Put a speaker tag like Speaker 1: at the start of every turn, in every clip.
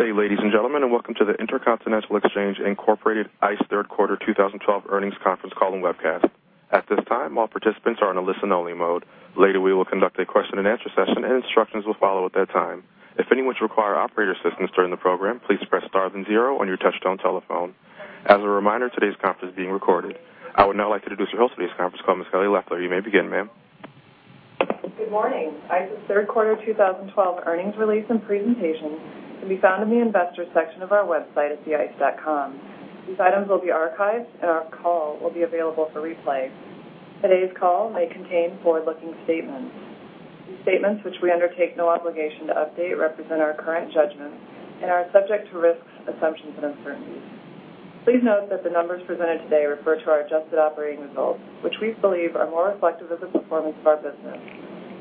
Speaker 1: Good day, ladies and gentlemen, and welcome to the Intercontinental Exchange Incorporated, ICE, third quarter 2012 earnings conference call and webcast. At this time, all participants are in a listen-only mode. Later, we will conduct a question-and-answer session, and instructions will follow at that time. If anyone should require operator assistance during the program, please press star and zero on your touch-tone telephone. As a reminder, today's conference is being recorded. I would now like to introduce your host for today's conference call, Ms. Kelly Loeffler. You may begin, ma'am.
Speaker 2: Good morning. ICE's third quarter 2012 earnings release and presentation can be found in the Investors section of our website at theice.com. These items will be archived, and our call will be available for replay. Today's call may contain forward-looking statements. These statements, which we undertake no obligation to update, represent our current judgments and are subject to risks, assumptions, and uncertainties. Please note that the numbers presented today refer to our adjusted operating results, which we believe are more reflective of the performance of our business.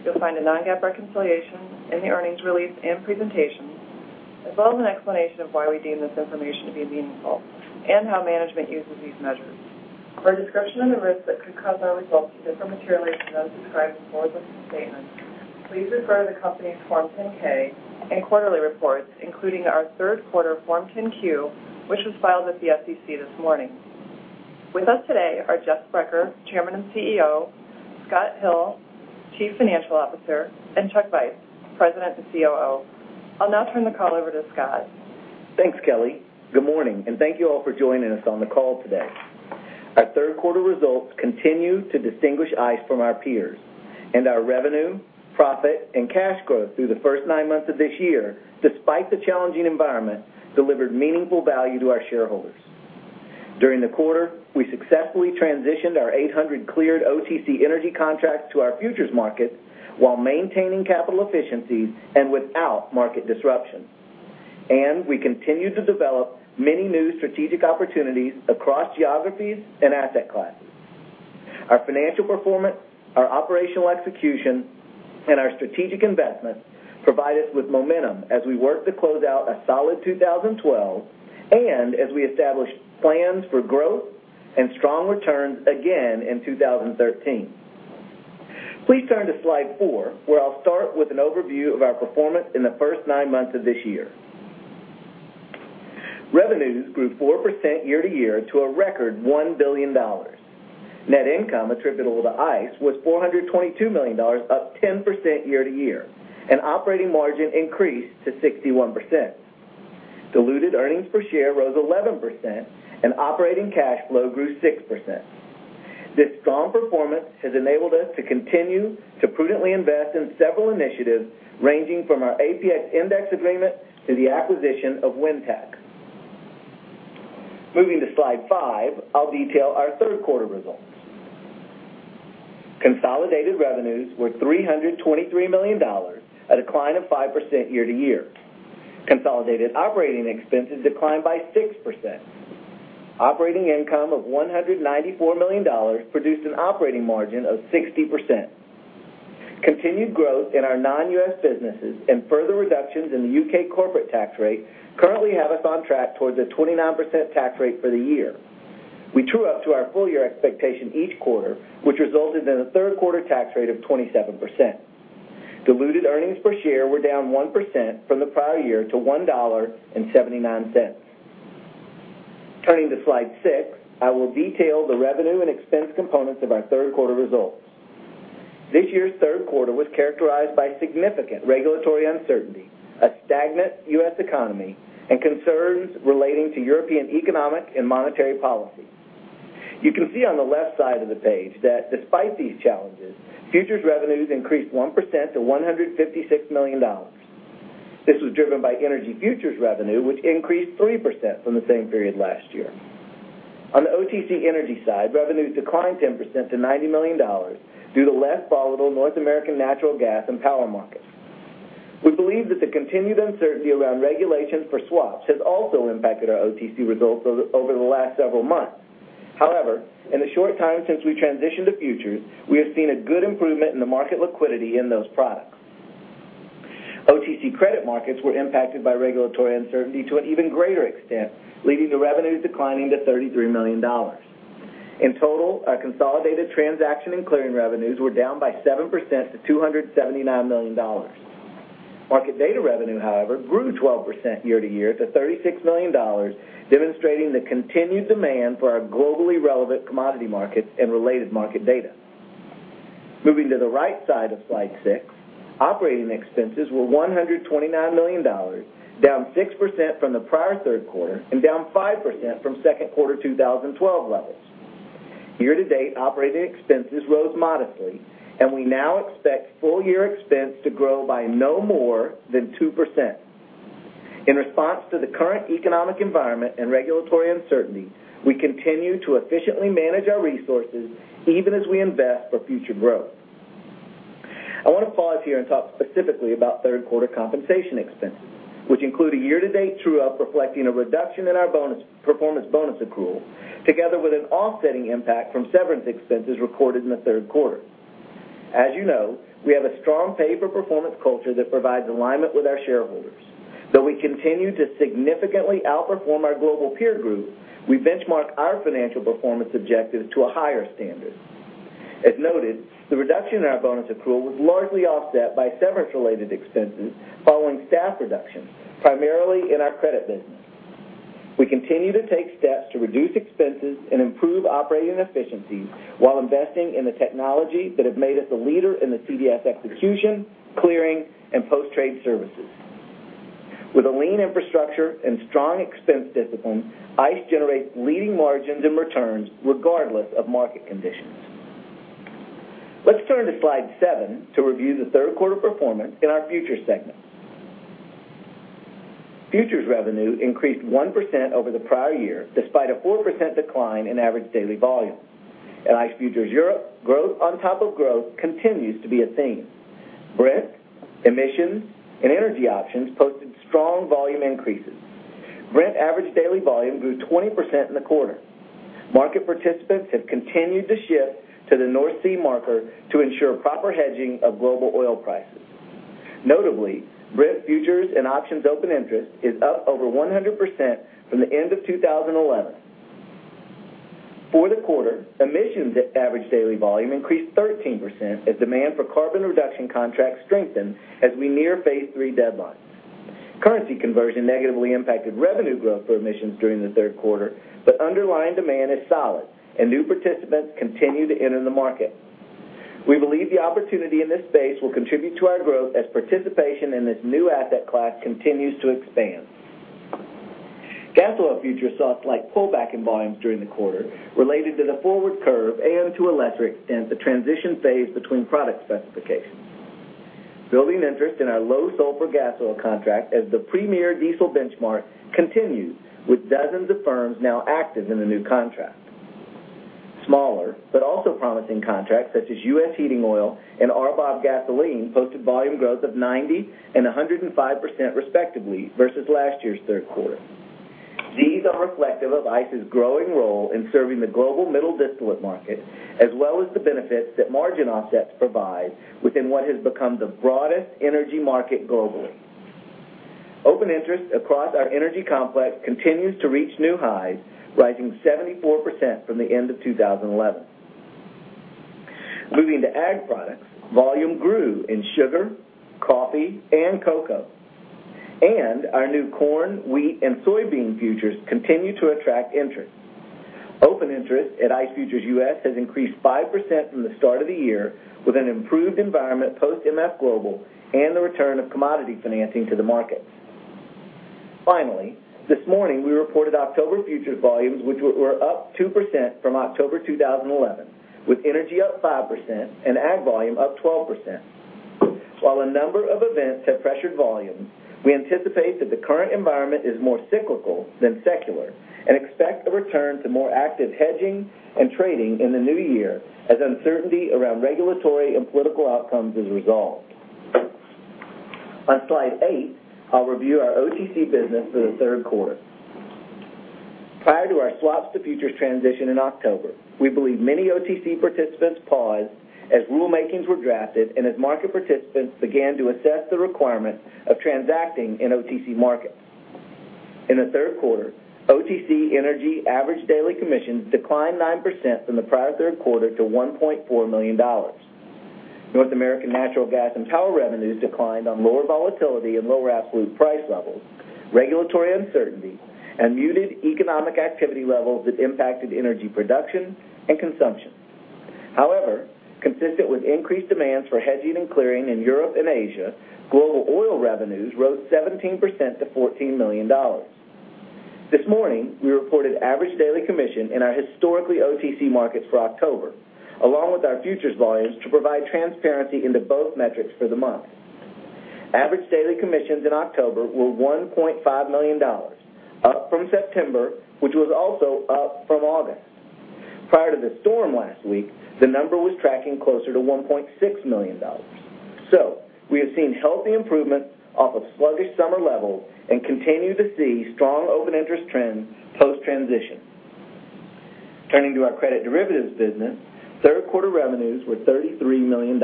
Speaker 2: You'll find a non-GAAP reconciliation in the earnings release and presentations, as well as an explanation of why we deem this information to be meaningful and how management uses these measures. For a description of the risks that could cause our results to differ materially from those described in forward-looking statements, please refer to the company's Form 10-K and quarterly reports, including our third quarter Form 10-Q, which was filed with the SEC this morning. With us today are Jeffrey Sprecher, Chairman and CEO; Scott Hill, Chief Financial Officer; and Chuck Vice, President and COO. I'll now turn the call over to Scott.
Speaker 3: Thanks, Kelly. Good morning. Thank you all for joining us on the call today. Our third quarter results continue to distinguish ICE from our peers, and our revenue, profit, and cash growth through the first nine months of this year, despite the challenging environment, delivered meaningful value to our shareholders. During the quarter, we successfully transitioned our 800 cleared OTC energy contracts to our futures markets while maintaining capital efficiencies and without market disruption. We continued to develop many new strategic opportunities across geographies and asset classes. Our financial performance, our operational execution, and our strategic investments provide us with momentum as we work to close out a solid 2012 and as we establish plans for growth and strong returns again in 2013. Please turn to slide four, where I'll start with an overview of our performance in the first nine months of this year. Revenues grew 4% year-over-year to a record $1 billion. Net income attributable to ICE was $422 million, up 10% year-over-year, and operating margin increased to 61%. Diluted earnings per share rose 11%, and operating cash flow grew 6%. This strong performance has enabled us to continue to prudently invest in several initiatives, ranging from our APX-ENDEX agreement to the acquisition of WhenTech. Moving to slide five, I will detail our third quarter results. Consolidated revenues were $323 million, a decline of 5% year-over-year. Consolidated operating expenses declined by 6%. Operating income of $194 million produced an operating margin of 60%. Continued growth in our non-U.S. businesses and further reductions in the U.K. corporate tax rate currently have us on track towards a 29% tax rate for the year. We true up to our full-year expectation each quarter, which resulted in a third-quarter tax rate of 27%. Diluted earnings per share were down 1% from the prior year to $1.79. Turning to slide six, I will detail the revenue and expense components of our third quarter results. This year's third quarter was characterized by significant regulatory uncertainty, a stagnant U.S. economy, and concerns relating to European economic and monetary policy. You can see on the left side of the page that despite these challenges, futures revenues increased 1% to $156 million. This was driven by energy futures revenue, which increased 3% from the same period last year. On the OTC energy side, revenues declined 10% to $90 million due to less volatile North American natural gas and power markets. We believe that the continued uncertainty around regulations for swaps has also impacted our OTC results over the last several months. However, in the short time since we transitioned to futures, we have seen a good improvement in the market liquidity in those products. OTC credit markets were impacted by regulatory uncertainty to an even greater extent, leading to revenues declining to $33 million. In total, our consolidated transaction and clearing revenues were down by 7% to $279 million. Markit data revenue, however, grew 12% year-over-year to $36 million, demonstrating the continued demand for our globally relevant commodity markets and related market data. Moving to the right side of slide six, operating expenses were $129 million, down 6% from the prior third quarter and down 5% from second quarter 2012 levels. Year-to-date, operating expenses rose modestly, and we now expect full-year expense to grow by no more than 2%. In response to the current economic environment and regulatory uncertainty, we continue to efficiently manage our resources even as we invest for future growth. I want to pause here and talk specifically about third-quarter compensation expenses, which include a year-to-date true-up reflecting a reduction in our performance bonus accrual, together with an offsetting impact from severance expenses recorded in the third quarter. As you know, we have a strong pay-for-performance culture that provides alignment with our shareholders. Though we continue to significantly outperform our global peer group, we benchmark our financial performance objectives to a higher standard. As noted, the reduction in our bonus accrual was largely offset by severance-related expenses following staff reductions, primarily in our credit business. We continue to take steps to reduce expenses and improve operating efficiencies while investing in the technology that has made us a leader in the CDS execution, clearing, and post-trade services. With a lean infrastructure and strong expense discipline, ICE generates leading margins and returns regardless of market conditions. Let's turn to slide seven to review the third quarter performance in our futures segment. Futures revenue increased 1% over the prior year, despite a 4% decline in average daily volume. At ICE Futures Europe, growth on top of growth continues to be a theme. Brent, emissions, and energy options posted strong volume increases. Brent average daily volume grew 20% in the quarter. Markit participants have continued to shift to the North Sea marker to ensure proper hedging of global oil prices. Notably, Brent futures and options open interest is up over 100% from the end of 2011. For the quarter, emissions average daily volume increased 13% as demand for carbon reduction contracts strengthened as we near phase 3 deadlines. Currency conversion negatively impacted revenue growth for emissions during the third quarter, but underlying demand is solid, and new participants continue to enter the market. We believe the opportunity in this space will contribute to our growth as participation in this new asset class continues to expand. Gas oil futures saw a slight pullback in volumes during the quarter related to the forward curve contango to backwardation and the transition phase between product specifications. Building interest in our low sulfur gas oil contract as the premier diesel benchmark continues, with dozens of firms now active in the new contract. Smaller, but also promising contracts such as U.S. heating oil and RBOB gasoline posted volume growth of 90% and 105%, respectively, versus last year's third quarter. These are reflective of ICE's growing role in serving the global middle distillate market, as well as the benefits that margin offsets provide within what has become the broadest energy market globally. Open interest across our energy complex continues to reach new highs, rising 74% from the end of 2011. Moving to ag products, volume grew in sugar, coffee, and cocoa, and our new corn, wheat, and soybean futures continue to attract interest. Open interest at ICE Futures U.S. has increased 5% from the start of the year with an improved environment post MF Global and the return of commodity financing to the markets. Finally, this morning, we reported October futures volumes, which were up 2% from October 2011, with energy up 5% and ag volume up 12%. While a number of events have pressured volumes, we anticipate that the current environment is more cyclical than secular and expect a return to more active hedging and trading in the new year as uncertainty around regulatory and political outcomes is resolved. On slide eight, I'll review our OTC business for the third quarter. Prior to our swaps-to-futures transition in October, we believe many OTC participants paused as rulemakings were drafted and as market participants began to assess the requirements of transacting in OTC markets. In the third quarter, OTC energy average daily commissions declined 9% from the prior third quarter to $1.4 million. North American natural gas and power revenues declined on lower volatility and lower absolute price levels, regulatory uncertainty, and muted economic activity levels that impacted energy production and consumption. Consistent with increased demands for hedging and clearing in Europe and Asia, global oil revenues rose 17% to $14 million. This morning, we reported average daily commission in our historically OTC markets for October, along with our futures volumes, to provide transparency into both metrics for the month. Average daily commissions in October were $1.5 million, up from September, which was also up from August. Prior to the storm last week, the number was tracking closer to $1.6 million. We have seen healthy improvements off of sluggish summer levels and continue to see strong open interest trends post-transition. Turning to our credit derivatives business, third-quarter revenues were $33 million.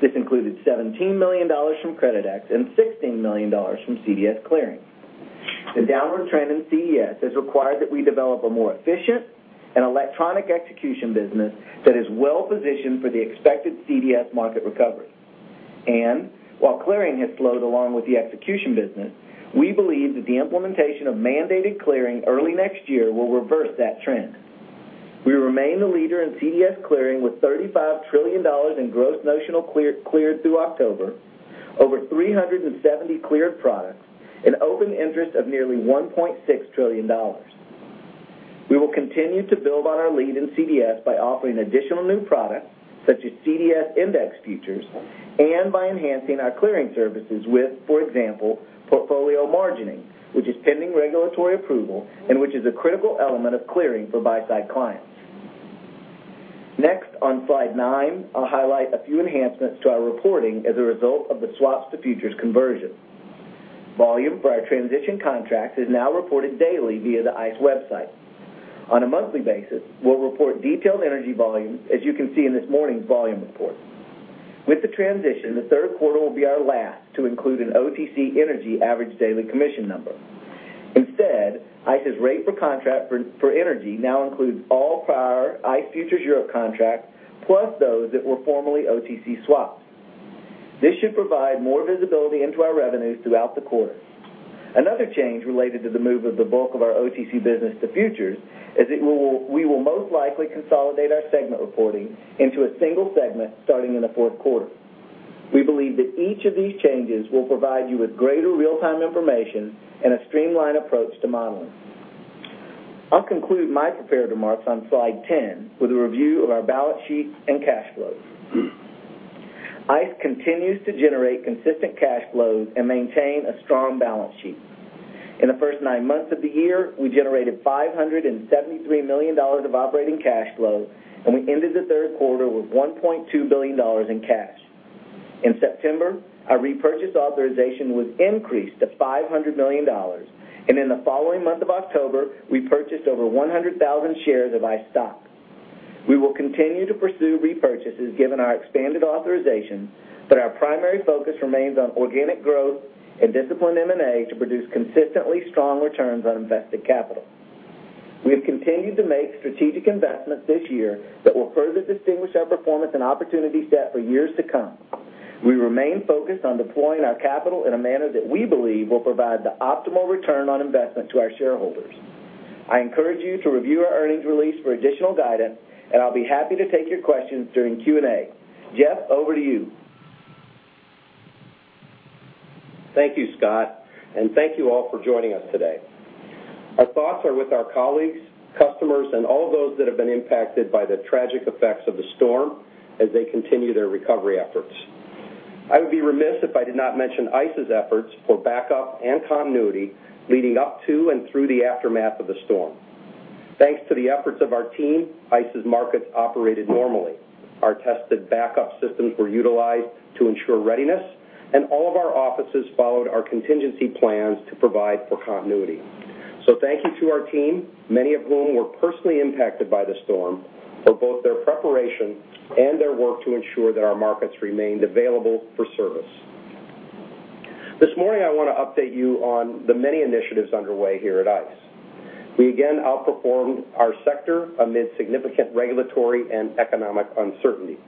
Speaker 3: This included $17 million from Creditex and $16 million from CDS clearing. The downward trend in CDS has required that we develop a more efficient and electronic execution business that is well-positioned for the expected CDS market recovery. While clearing has slowed along with the execution business, we believe that the implementation of mandated clearing early next year will reverse that trend. We remain the leader in CDS clearing, with $35 trillion in gross notional cleared through October, over 370 cleared products, and open interest of nearly $1.6 trillion. We will continue to build on our lead in CDS by offering additional new products, such as CDS index futures, and by enhancing our clearing services with, for example, portfolio margining, which is pending regulatory approval and which is a critical element of clearing for buy-side clients. Next, on slide nine, I'll highlight a few enhancements to our reporting as a result of the swaps to futures conversion. Volume for our transition contracts is now reported daily via the ICE website. On a monthly basis, we'll report detailed energy volume, as you can see in this morning's volume report. With the transition, the third quarter will be our last to include an OTC energy average daily commission number. Instead, ICE's rate per contract for energy now includes all prior ICE Futures Europe contracts, plus those that were formerly OTC swaps. This should provide more visibility into our revenues throughout the quarter. Another change related to the move of the bulk of our OTC business to futures is we will most likely consolidate our segment reporting into a single segment starting in the fourth quarter. We believe that each of these changes will provide you with greater real-time information and a streamlined approach to modeling. I'll conclude my prepared remarks on slide 10 with a review of our balance sheet and cash flows. ICE continues to generate consistent cash flows and maintain a strong balance sheet. In the first nine months of the year, we generated $573 million of operating cash flow, and we ended the third quarter with $1.2 billion in cash. In September, our repurchase authorization was increased to $500 million, and in the following month of October, we purchased over 100,000 shares of ICE stock. We will continue to pursue repurchases given our expanded authorization, but our primary focus remains on organic growth and disciplined M&A to produce consistently strong returns on invested capital. We have continued to make strategic investments this year that will further distinguish our performance and opportunity set for years to come. We remain focused on deploying our capital in a manner that we believe will provide the optimal return on investment to our shareholders. I encourage you to review our earnings release for additional guidance, and I'll be happy to take your questions during Q&A. Jeff, over to you.
Speaker 4: Thank you, Scott, and thank you all for joining us today. Our thoughts are with our colleagues, customers, and all those that have been impacted by the tragic effects of the storm as they continue their recovery efforts. I would be remiss if I did not mention ICE's efforts for backup and continuity leading up to and through the aftermath of the storm. Thanks to the efforts of our team, ICE's markets operated normally. Our tested backup systems were utilized to ensure readiness, and all of our offices followed our contingency plans to provide for continuity. Thank you to our team, many of whom were personally impacted by the storm, for both their preparation and their work to ensure that our markets remained available for service. This morning, I want to update you on the many initiatives underway here at ICE. We again outperformed our sector amid significant regulatory and economic uncertainty.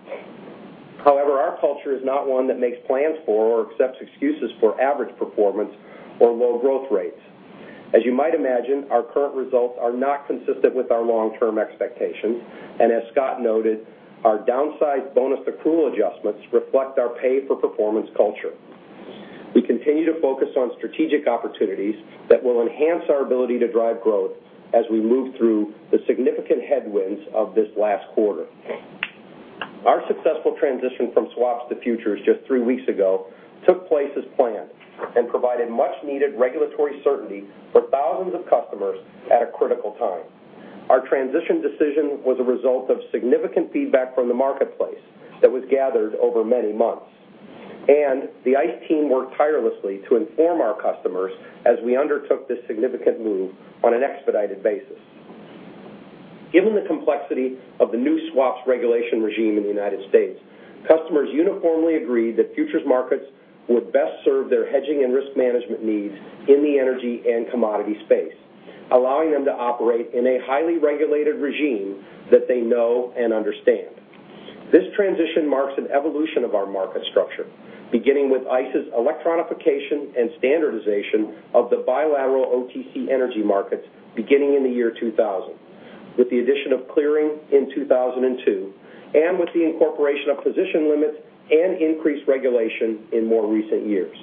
Speaker 4: However, our culture is not one that makes plans for or accepts excuses for average performance or low growth rates. As you might imagine, our current results are not consistent with our long-term expectations, and as Scott noted, our downside bonus accrual adjustments reflect our pay-for-performance culture. We continue to focus on strategic opportunities that will enhance our ability to drive growth as we move through the significant headwinds of this last quarter. Our successful transition from swaps to futures just three weeks ago took place as planned and provided much-needed regulatory certainty for thousands of customers at a critical time. Our transition decision was a result of significant feedback from the marketplace that was gathered over many months. The ICE team worked tirelessly to inform our customers as we undertook this significant move on an expedited basis. Given the complexity of the new swaps regulation regime in the U.S., customers uniformly agreed that futures markets would best serve their hedging and risk management needs in the energy and commodity space, allowing them to operate in a highly regulated regime that they know and understand. This transition marks an evolution of our market structure, beginning with ICE's electronification and standardization of the bilateral OTC energy markets beginning in the year 2000, with the addition of clearing in 2002, and with the incorporation of position limits and increased regulation in more recent years.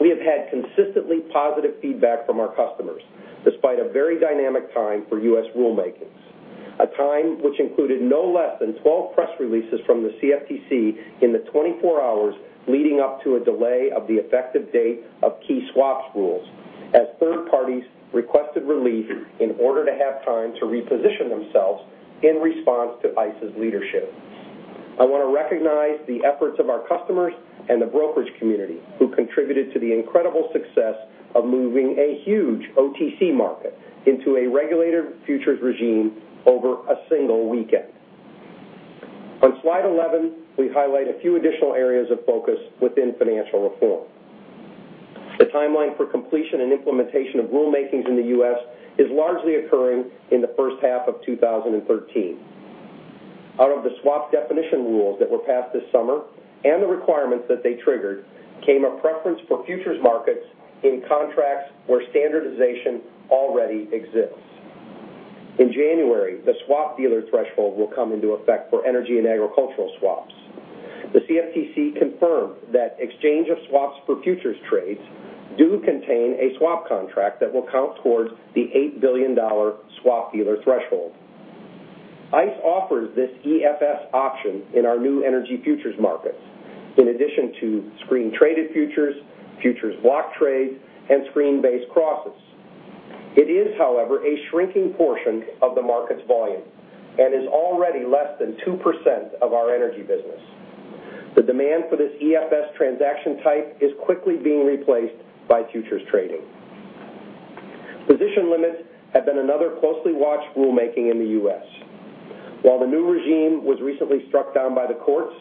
Speaker 4: We have had consistently positive feedback from our customers, despite a very dynamic time for U.S. rulemakings. A time which included no less than 12 press releases from the CFTC in the 24 hours leading up to a delay of the effective date of key swaps rules, as third parties requested relief in order to have time to reposition themselves in response to ICE's leadership. I want to recognize the efforts of our customers and the brokerage community who contributed to the incredible success of moving a huge OTC market into a regulated futures regime over a single weekend. On slide 11, we highlight a few additional areas of focus within financial reform. The timeline for completion and implementation of rulemakings in the U.S. is largely occurring in the first half of 2013. Out of the swap definition rules that were passed this summer, and the requirements that they triggered, came a preference for futures markets in contracts where standardization already exists. In January, the swap dealer threshold will come into effect for energy and agricultural swaps. The CFTC confirmed that exchange of swaps for futures trades do contain a swap contract that will count towards the $8 billion swap dealer threshold. ICE offers this EFS option in our new energy futures markets, in addition to screen-traded futures block trades, and screen-based crosses. It is, however, a shrinking portion of the market's volume and is already less than 2% of our energy business. The demand for this EFS transaction type is quickly being replaced by futures trading. Position limits have been another closely watched rulemaking in the U.S. While the new regime was recently struck down by the courts,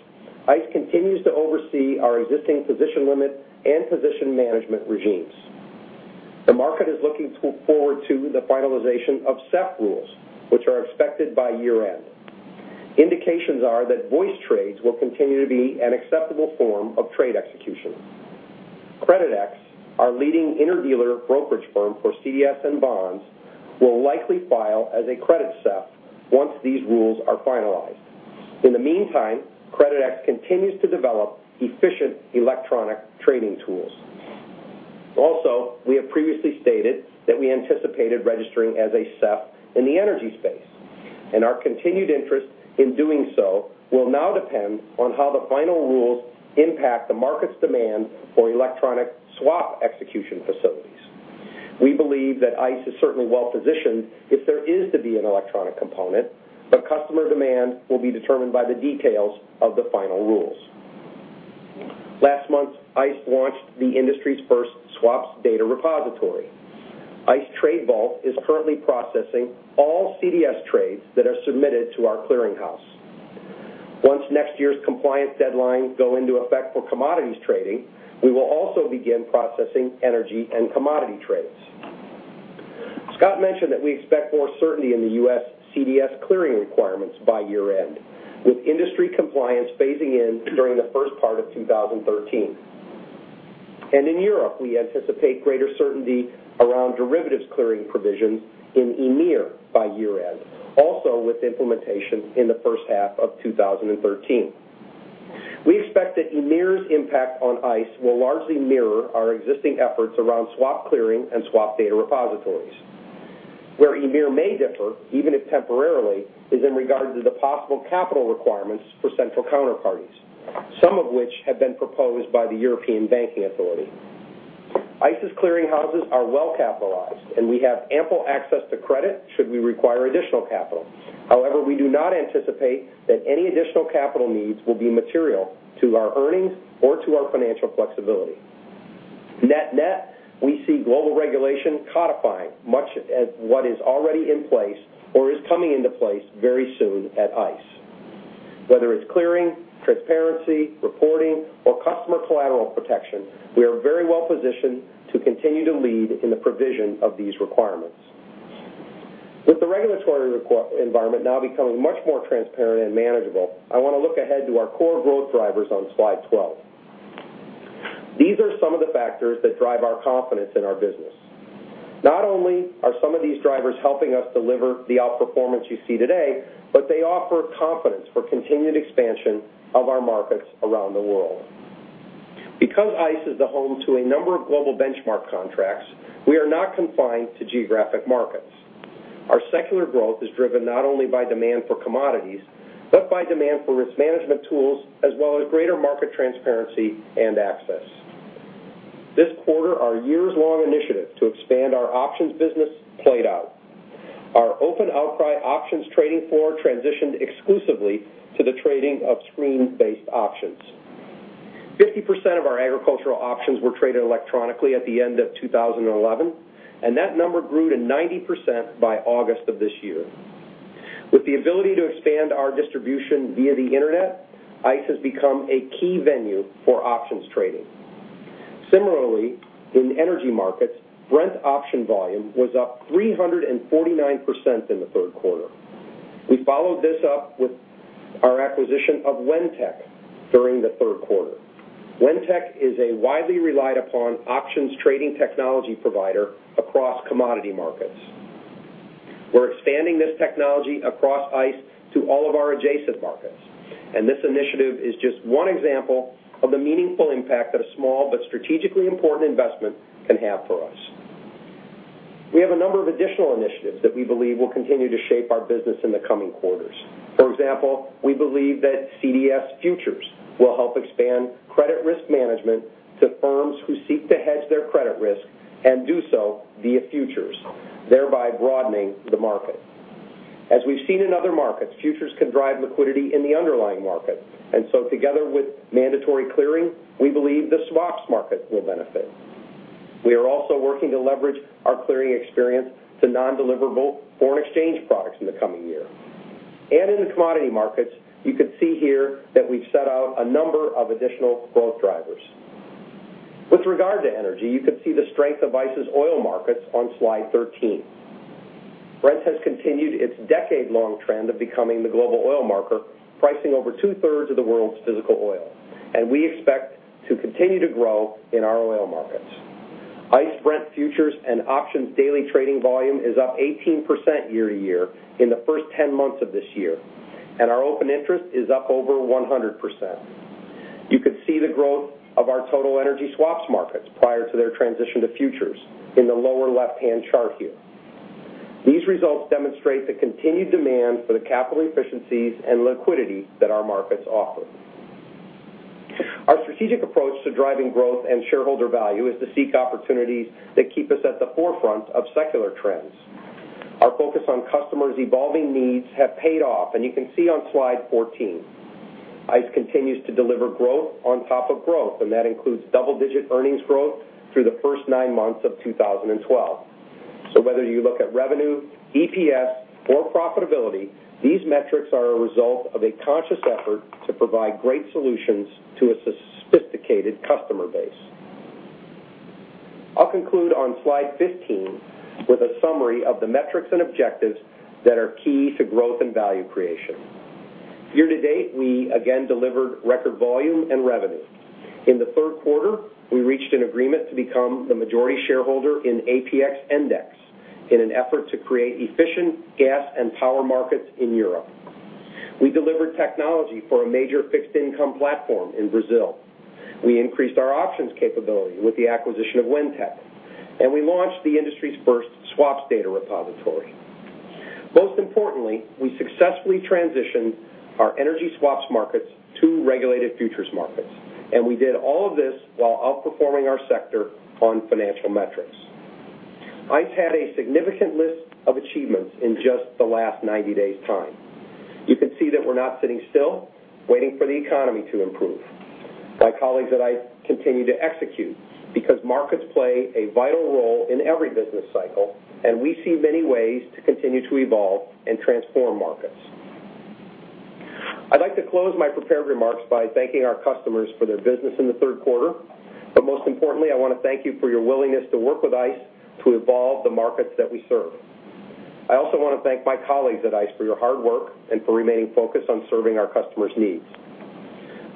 Speaker 4: ICE continues to oversee our existing position limit and position management regimes. The market is looking forward to the finalization of SEF rules, which are expected by year-end. Indications are that voice trades will continue to be an acceptable form of trade execution. Creditex, our leading interdealer brokerage firm for CDS and bonds, will likely file as a credit SEF once these rules are finalized. In the meantime, Creditex continues to develop efficient electronic trading tools. We have previously stated that we anticipated registering as a SEF in the energy space, and our continued interest in doing so will now depend on how the final rules impact the market's demand for electronic swap execution facilities. We believe that ICE is certainly well-positioned if there is to be an electronic component, but customer demand will be determined by the details of the final rules. Last month, ICE launched the industry's first swaps data repository. ICE Trade Vault is currently processing all CDS trades that are submitted to our clearing house. Once next year's compliance deadlines go into effect for commodities trading, we will also begin processing energy and commodity trades. Scott mentioned that we expect more certainty in the U.S. CDS clearing requirements by year-end, with industry compliance phasing in during the first part of 2013. In Europe, we anticipate greater certainty around derivatives clearing provisions in EMIR by year-end, also with implementation in the first half of 2013. We expect that EMIR's impact on ICE will largely mirror our existing efforts around swap clearing and swap data repositories. Where EMIR may differ, even if temporarily, is in regard to the possible capital requirements for central counterparties, some of which have been proposed by the European Banking Authority. ICE's clearing houses are well-capitalized, and we have ample access to credit should we require additional capital. We do not anticipate that any additional capital needs will be material to our earnings or to our financial flexibility. We see global regulation codifying much as what is already in place or is coming into place very soon at ICE. Whether it's clearing, transparency, reporting, or customer collateral protection, we are very well positioned to continue to lead in the provision of these requirements. With the regulatory environment now becoming much more transparent and manageable, I want to look ahead to our core growth drivers on slide 12. These are some of the factors that drive our confidence in our business. Not only are some of these drivers helping us deliver the outperformance you see today, but they offer confidence for continued expansion of our markets around the world. Because ICE is the home to a number of global benchmark contracts, we are not confined to geographic markets. Our secular growth is driven not only by demand for commodities, but by demand for risk management tools, as well as greater market transparency and access. This quarter, our years-long initiative to expand our options business played out. Our open outcry options trading floor transitioned exclusively to the trading of screen-based options. 50% of our agricultural options were traded electronically at the end of 2011, and that number grew to 90% by August of this year. With the ability to expand our distribution via the internet, ICE has become a key venue for options trading. Similarly, in energy markets, Brent option volume was up 349% in the third quarter. We followed this up with our acquisition of WhenTech during the third quarter. WhenTech is a widely relied-upon options trading technology provider across commodity markets. We're expanding this technology across ICE to all of our adjacent markets. This initiative is just one example of the meaningful impact that a small but strategically important investment can have for us. We have a number of additional initiatives that we believe will continue to shape our business in the coming quarters. For example, we believe that CDS futures will help expand credit risk management to firms who seek to hedge their credit risk and do so via futures, thereby broadening the market. As we've seen in other markets, futures can drive liquidity in the underlying market. Together with mandatory clearing, we believe the swaps market will benefit. We are also working to leverage our clearing experience to non-deliverable foreign exchange products in the coming year. In the commodity markets, you can see here that we've set out a number of additional growth drivers. With regard to energy, you can see the strength of ICE's oil markets on slide 13. Brent has continued its decade-long trend of becoming the global oil marker, pricing over two-thirds of the world's physical oil. We expect to continue to grow in our oil markets. ICE Brent futures and options daily trading volume is up 18% year-to-year in the first 10 months of this year. Our open interest is up over 100%. You can see the growth of our total energy swaps markets prior to their transition to futures in the lower left-hand chart here. These results demonstrate the continued demand for the capital efficiencies and liquidity that our markets offer. Our strategic approach to driving growth and shareholder value is to seek opportunities that keep us at the forefront of secular trends. Our focus on customers' evolving needs have paid off, and you can see on slide 14. ICE continues to deliver growth on top of growth, and that includes double-digit earnings growth through the first nine months of 2012. Whether you look at revenue, EPS, or profitability, these metrics are a result of a conscious effort to provide great solutions to a sophisticated customer base. I'll conclude on slide 15 with a summary of the metrics and objectives that are key to growth and value creation. Year to date, we again delivered record volume and revenue. In the third quarter, we reached an agreement to become the majority shareholder in APX-ENDEX in an effort to create efficient gas and power markets in Europe. We delivered technology for a major fixed income platform in Brazil. We increased our options capability with the acquisition of WhenTech. We launched the industry's first swaps data repository. Most importantly, we successfully transitioned our energy swaps markets to regulated futures markets, and we did all of this while outperforming our sector on financial metrics. ICE had a significant list of achievements in just the last 90 days' time. You can see that we're not sitting still, waiting for the economy to improve. My colleagues and I continue to execute because markets play a vital role in every business cycle, and we see many ways to continue to evolve and transform markets. I'd like to close my prepared remarks by thanking our customers for their business in the third quarter. Most importantly, I want to thank you for your willingness to work with ICE to evolve the markets that we serve. I also want to thank my colleagues at ICE for your hard work and for remaining focused on serving our customers' needs.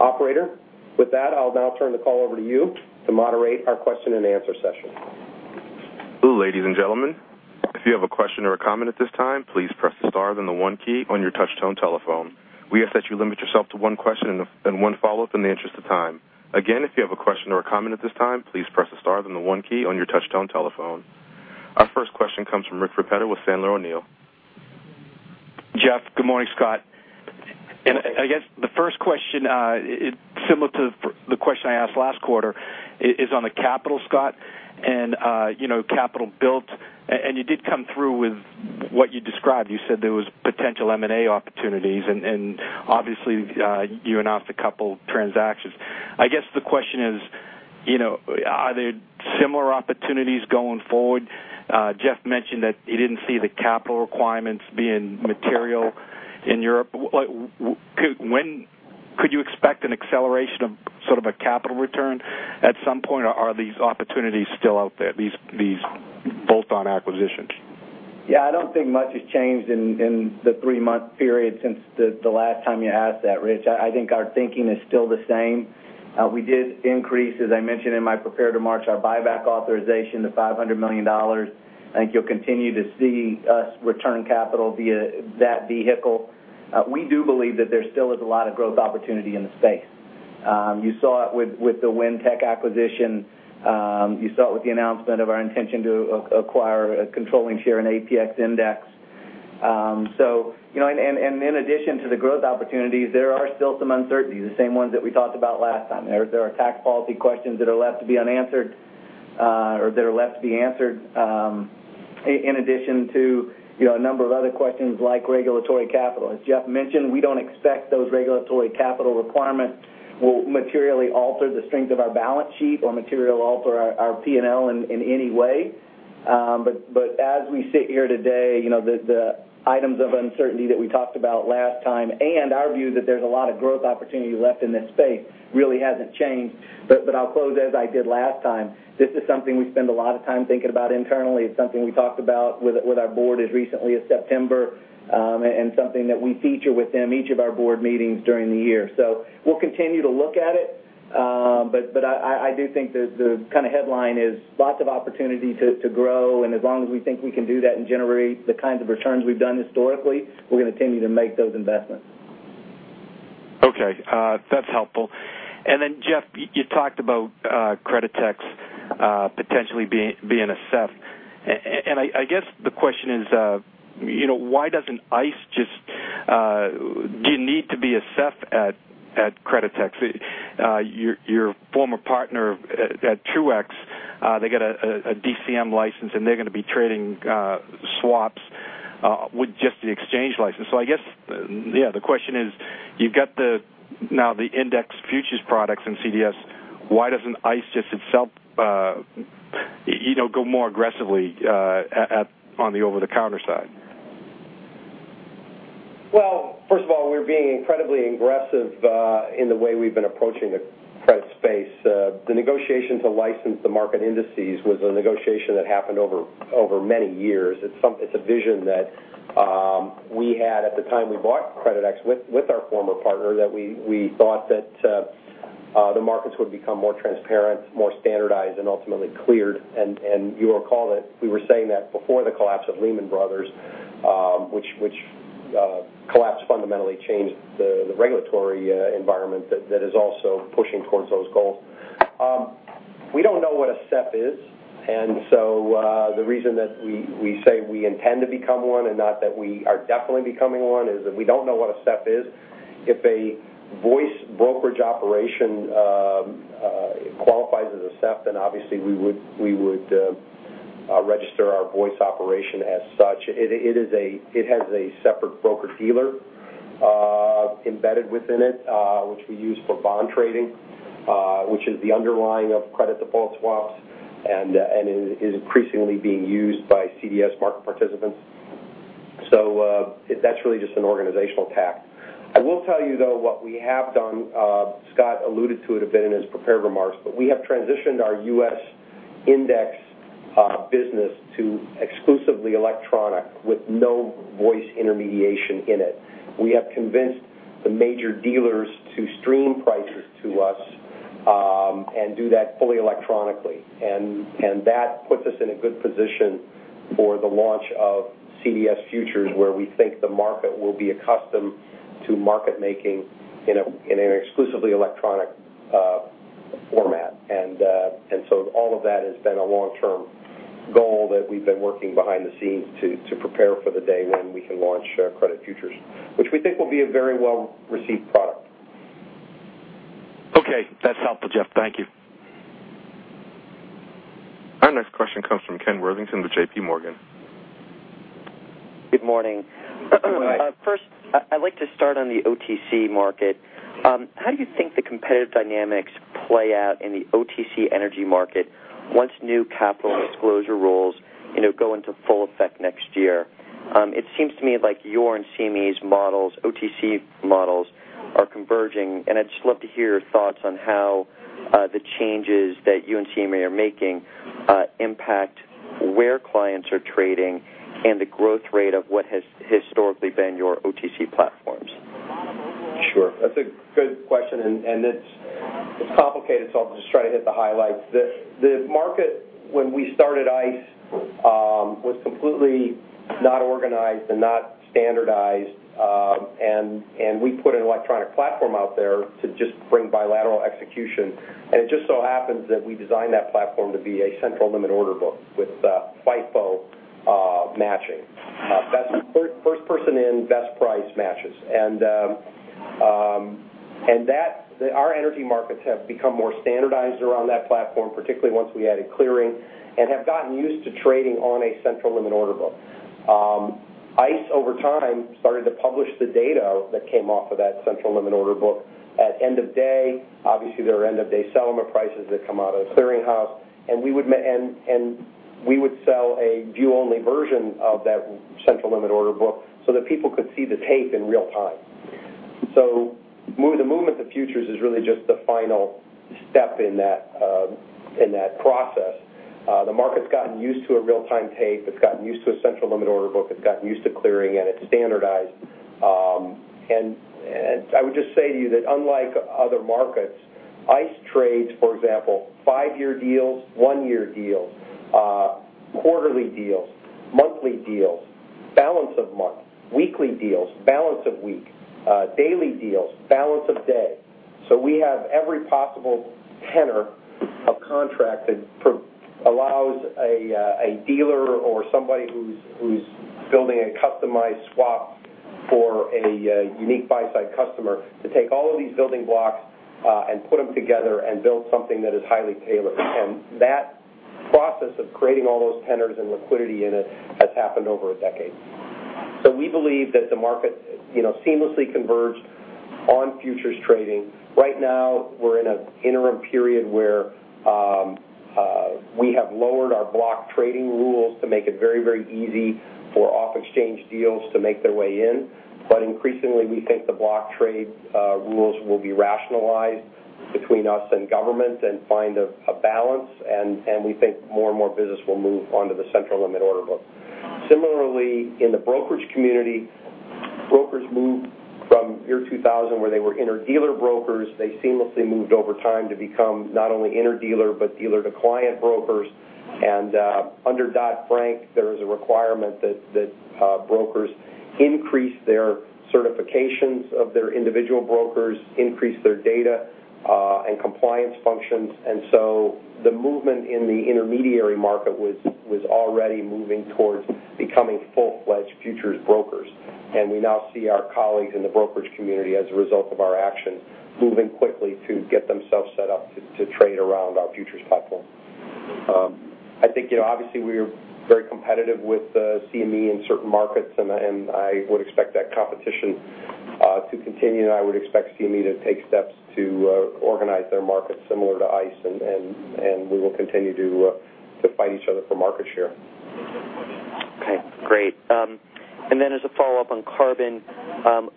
Speaker 4: Operator, with that, I'll now turn the call over to you to moderate our question and answer session.
Speaker 1: Ladies and gentlemen, if you have a question or a comment at this time, please press the star, then the one key on your touch-tone telephone. We ask that you limit yourself to one question and one follow-up in the interest of time. Again, if you have a question or a comment at this time, please press the star, then the one key on your touch-tone telephone. Our first question comes from Rich Repetto with Sandler O'Neill.
Speaker 5: Jeff, good morning, Scott. I guess the first question, similar to the question I asked last quarter, is on the capital, Scott, and capital built. You did come through with what you described. You said there was potential M&A opportunities, and obviously, you announced a couple transactions. I guess the question is, are there similar opportunities going forward? Jeff mentioned that he didn't see the capital requirements being material in Europe. Could you expect an acceleration of sort of a capital return at some point, or are these opportunities still out there, these bolt-on acquisitions?
Speaker 3: Yeah, I don't think much has changed in the three-month period since the last time you asked that, Rich. I think our thinking is still the same. We did increase, as I mentioned in my prepared remarks, our buyback authorization to $500 million. I think you'll continue to see us return capital via that vehicle. We do believe that there still is a lot of growth opportunity in the space. You saw it with the WhenTech acquisition. You saw it with the announcement of our intention to acquire a controlling share in APX-ENDEX. In addition to the growth opportunities, there are still some uncertainties, the same ones that we talked about last time. There are tax policy questions that are left to be unanswered, or that are left to be answered, in addition to a number of other questions like regulatory capital. As Jeff mentioned, we don't expect those regulatory capital requirements will materially alter the strength of our balance sheet or materially alter our P&L in any way. As we sit here today, the items of uncertainty that we talked about last time and our view that there's a lot of growth opportunity left in this space really hasn't changed. I'll close as I did last time. This is something we spend a lot of time thinking about internally. It's something we talked about with our board as recently as September, and something that we feature within each of our board meetings during the year. We'll continue to look at it, I do think the kind of headline is lots of opportunity to grow, as long as we think we can do that and generate the kinds of returns we've done historically, we're going to continue to make those investments.
Speaker 5: Okay, that's helpful. Jeff, you talked about Creditex potentially being a SEF. I guess the question is, Do you need to be a SEF at Creditex? Your former partner at trueEX, they get a DCM license, and they're going to be trading swaps with just the exchange license. I guess, yeah, the question is, you've got now the index futures products and CDS. Why doesn't ICE just itself go more aggressively on the over-the-counter side?
Speaker 4: Well, first of all, we're being incredibly aggressive in the way we've been approaching the credit space. The negotiation to license the market indices was a negotiation that happened over many years. It's a vision that we had at the time we bought Creditex with our former partner, that we thought that the markets would become more transparent, more standardized, and ultimately cleared. You'll recall that we were saying that before the collapse of Lehman Brothers, which collapse fundamentally changed the regulatory environment that is also pushing towards those goals. We don't know what a SEF is. The reason that we say we intend to become one and not that we are definitely becoming one is that we don't know what a SEF is. If a voice brokerage operation qualifies as a SEF, then obviously we would register our voice operation as such. It has a separate broker-dealer embedded within it, which we use for bond trading, which is the underlying of Credit Default Swaps and is increasingly being used by CDS market participants. That's really just an organizational tack. I will tell you, though, what we have done, Scott alluded to it a bit in his prepared remarks, but we have transitioned our U.S. index business to exclusively electronic with no voice intermediation in it. We have convinced the major dealers to stream prices to us and do that fully electronically. That puts us in a good position for the launch of CDS futures, where we think the market will be accustomed to market-making in an exclusively electronic format. All of that has been a long-term goal that we've been working behind the scenes to prepare for the day when we can launch credit futures, which we think will be a very well-received product.
Speaker 5: Okay. That's helpful, Jeff. Thank you.
Speaker 1: Our next question comes from Ken Worthington with JPMorgan.
Speaker 6: Good morning.
Speaker 4: Hi.
Speaker 6: First, I'd like to start on the OTC market. How do you think the competitive dynamics play out in the OTC energy market once new capital disclosure rules go into full effect next year? It seems to me like your and CME's models, OTC models, are converging, and I'd just love to hear your thoughts on how the changes that you and CME are making impact where clients are trading and the growth rate of what has historically been your OTC platforms.
Speaker 4: Sure. That's a good question, and it's complicated, so I'll just try to hit the highlights. The market when we started ICE was completely not organized and not standardized. We put an electronic platform out there to just bring bilateral execution. It just so happens that we designed that platform to be a central limit order book with FIFO matching. First person in, best price matches. Our energy markets have become more standardized around that platform, particularly once we added clearing, and have gotten used to trading on a central limit order book. ICE, over time, started to publish the data that came off of that central limit order book. At end of day, obviously, there are end-of-day settlement prices that come out of the clearing house, and we would sell a view-only version of that central limit order book so that people could see the tape in real time. The movement to futures is really just the final step in that process. The market's gotten used to a real-time tape. It's gotten used to a central limit order book. It's gotten used to clearing, and it's standardized. I would just say to you that unlike other markets, ICE trades, for example, five-year deals, one-year deals, quarterly deals, monthly deals, balance of month, weekly deals, balance of week, daily deals, balance of day. We have every possible tenor of contract that allows a dealer or somebody who's building a customized swap for a unique buy-side customer to take all of these building blocks and put them together and build something that is highly tailored. That process of creating all those tenors and liquidity in it has happened over a decade. We believe that the market seamlessly converged on futures trading. Right now, we're in an interim period where we have lowered our block trading rules to make it very easy for off-exchange deals to make their way in. Increasingly, we think the block trade rules will be rationalized between us and government and find a balance, and we think more and more business will move onto the central limit order book. Similarly, in the brokerage community, brokers moved from year 2000, where they were interdealer brokers. They seamlessly moved over time to become not only interdealer but dealer-to-client brokers. Under Dodd-Frank, there is a requirement that brokers increase their certifications of their individual brokers, increase their data and compliance functions. The movement in the intermediary market was already moving towards becoming full-fledged futures brokers. We now see our colleagues in the brokerage community, as a result of our action, moving quickly to get themselves set up to trade around our futures platform. I think obviously we're very competitive with CME in certain markets, and I would expect that competition to continue, and I would expect CME to take steps to organize their market similar to ICE, and we will continue to fight each other for market share.
Speaker 6: Okay. Great. As a follow-up on carbon,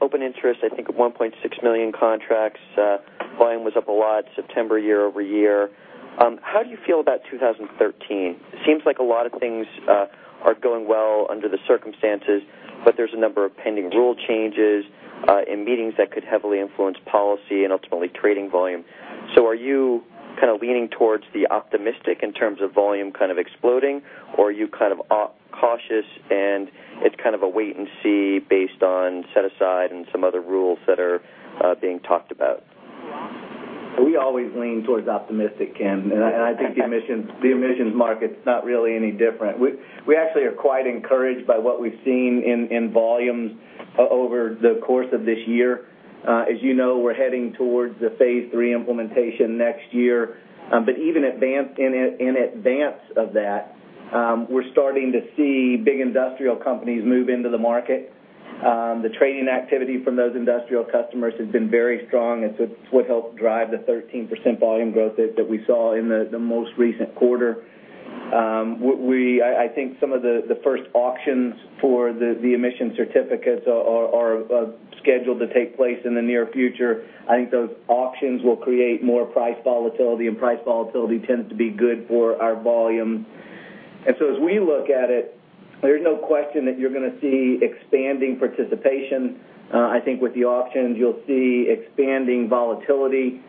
Speaker 6: open interest, I think, at 1.6 million contracts. Volume was up a lot September year-over-year. How do you feel about 2013? It seems like a lot of things are going well under the circumstances, but there's a number of pending rule changes and meetings that could heavily influence policy and ultimately trading volume. Are you kind of leaning towards the optimistic in terms of volume kind of exploding, or are you kind of cautious and it's kind of a wait and see based on set-aside and some other rules that are being talked about?
Speaker 4: We always lean towards optimistic, Ken, I think the emissions market's not really any different. We actually are quite encouraged by what we've seen in volumes over the course of this year. As you know, we're heading towards the phase three implementation next year. Even in advance of that, we're starting to see big industrial companies move into the market
Speaker 3: The trading activity from those industrial customers has been very strong. It's what helped drive the 13% volume growth that we saw in the most recent quarter. I think some of the first auctions for the emission certificates are scheduled to take place in the near future. I think those auctions will create more price volatility, and price volatility tends to be good for our volume. As we look at it, there's no question that you're going to see expanding participation. I think with the auctions, you'll see expanding volatility.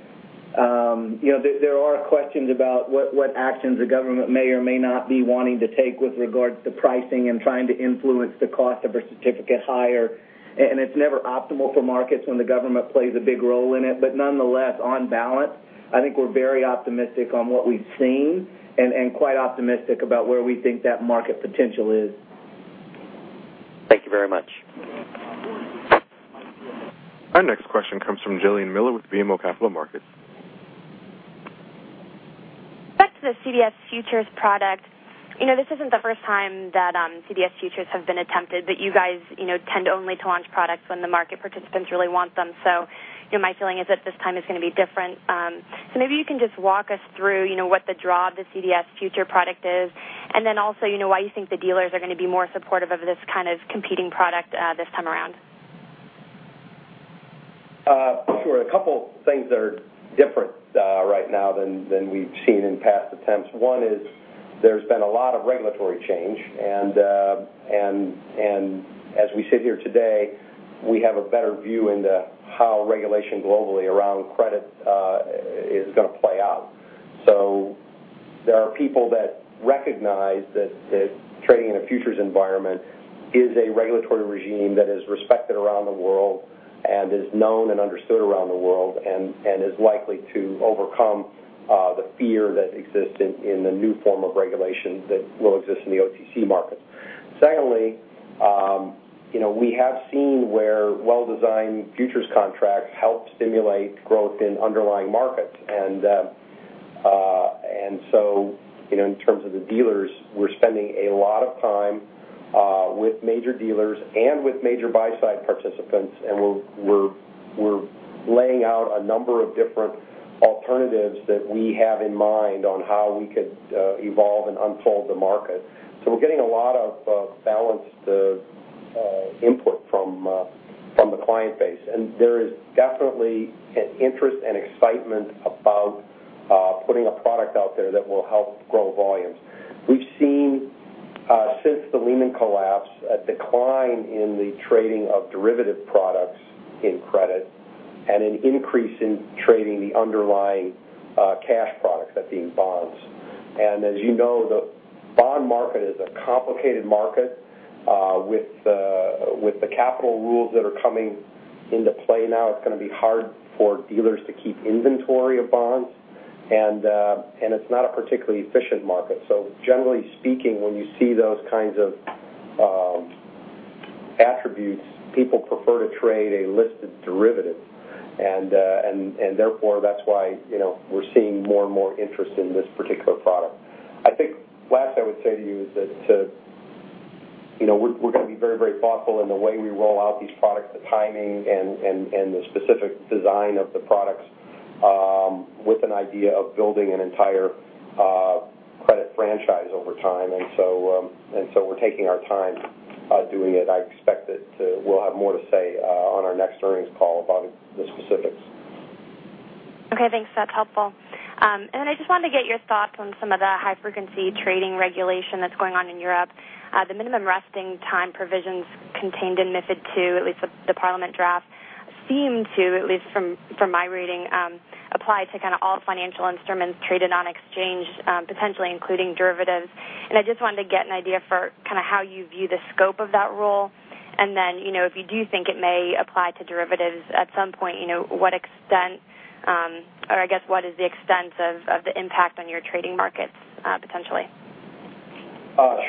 Speaker 3: There are questions about what actions the government may or may not be wanting to take with regards to pricing and trying to influence the cost of a certificate higher. It's never optimal for markets when the government plays a big role in it. Nonetheless, on balance, I think we're very optimistic on what we've seen and quite optimistic about where we think that market potential is.
Speaker 6: Thank you very much.
Speaker 1: Our next question comes from Gillian Miller with BMO Capital Markets.
Speaker 7: Back to the CDS futures product. This isn't the first time that CDS futures have been attempted, you guys tend only to launch products when the market participants really want them. My feeling is that this time is going to be different. Maybe you can just walk us through what the draw of the CDS future product is, and then also, why you think the dealers are going to be more supportive of this kind of competing product this time around.
Speaker 4: Sure. A couple things that are different right now than we've seen in past attempts. One is there's been a lot of regulatory change. As we sit here today, we have a better view into how regulation globally around credit is going to play out. There are people that recognize that trading in a futures environment is a regulatory regime that is respected around the world and is known and understood around the world and is likely to overcome the fear that exists in the new form of regulation that will exist in the OTC markets. Secondly, we have seen where well-designed futures contracts help stimulate growth in underlying markets.
Speaker 3: In terms of the dealers, we're spending a lot of time with major dealers and with major buy-side participants, and we're laying out a number of different alternatives that we have in mind on how we could evolve and unfold the market. We're getting a lot of balanced input from the client base, and there is definitely an interest and excitement about putting a product out there that will help grow volumes. We've seen, since the Lehman collapse, a decline in the trading of derivative products in credit and an increase in trading the underlying cash products, that being bonds. As you know, the bond market is a complicated market. With the capital rules that are coming into play now, it's going to be hard for dealers to keep inventory of bonds, and it's not a particularly efficient market. Generally speaking, when you see those kinds of attributes, people prefer to trade a listed derivative, and therefore, that's why we're seeing more and more interest in this particular product. I think last I would say to you is that we're going to be very thoughtful in the way we roll out these products, the timing, and the specific design of the products with an idea of building an entire credit franchise over time. We're taking our time doing it. I expect that we'll have more to say on our next earnings call about the specifics.
Speaker 7: Okay, thanks. That's helpful. I just wanted to get your thoughts on some of the high-frequency trading regulation that's going on in Europe. The minimum resting time provisions contained in MiFID II, at least the Parliament draft, seem to, at least from my reading, apply to kind of all financial instruments traded on exchange, potentially including derivatives. I just wanted to get an idea for how you view the scope of that rule. If you do think it may apply to derivatives at some point, what extent, or I guess what is the extent of the impact on your trading markets potentially?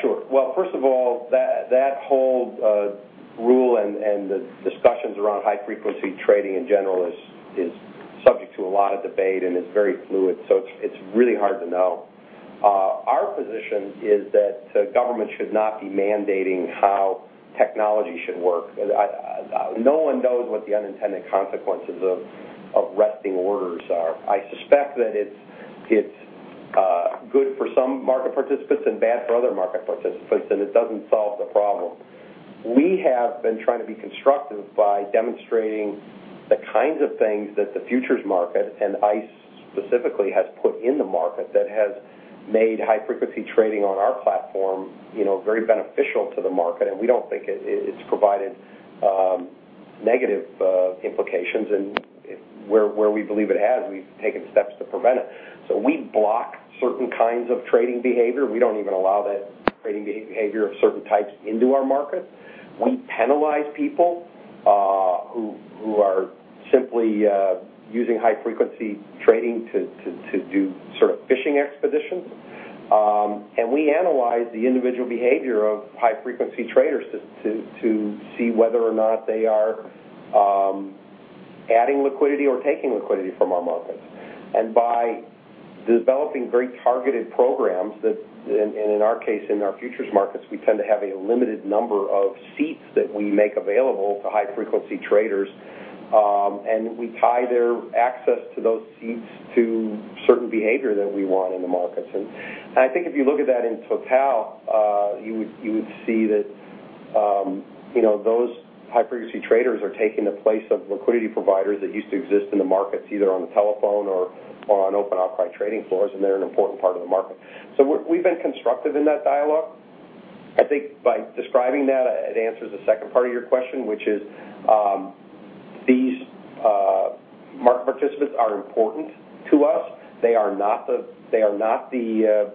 Speaker 3: Sure. Well, first of all, that whole rule and the discussions around high-frequency trading in general is subject to a lot of debate and is very fluid. It's really hard to know. Our position is that the government should not be mandating how technology should work. No one knows what the unintended consequences of resting orders are. I suspect that it's good for some market participants and bad for other market participants, and it doesn't solve the problem. We have been trying to be constructive by demonstrating the kinds of things that the futures market, and ICE specifically, has put in the market that has made high-frequency trading on our platform very beneficial to the market, and we don't think it's provided negative implications. Where we believe it has, we've taken steps to prevent it. We block certain kinds of trading behavior. We don't even allow that trading behavior of certain types into our markets. We penalize people who are simply using high-frequency trading to do sort of fishing expeditions. We analyze the individual behavior of high-frequency traders to see whether or not they are
Speaker 4: Adding liquidity or taking liquidity from our markets. By developing very targeted programs that, in our case, in our futures markets, we tend to have a limited number of seats that we make available to high-frequency traders, and we tie their access to those seats to certain behavior that we want in the markets. I think if you look at that in total, you would see that those high-frequency traders are taking the place of liquidity providers that used to exist in the markets, either on the telephone or on open outcry trading floors, and they're an important part of the market. We've been constructive in that dialogue. I think by describing that, it answers the second part of your question, which is, these market participants are important to us. They are not the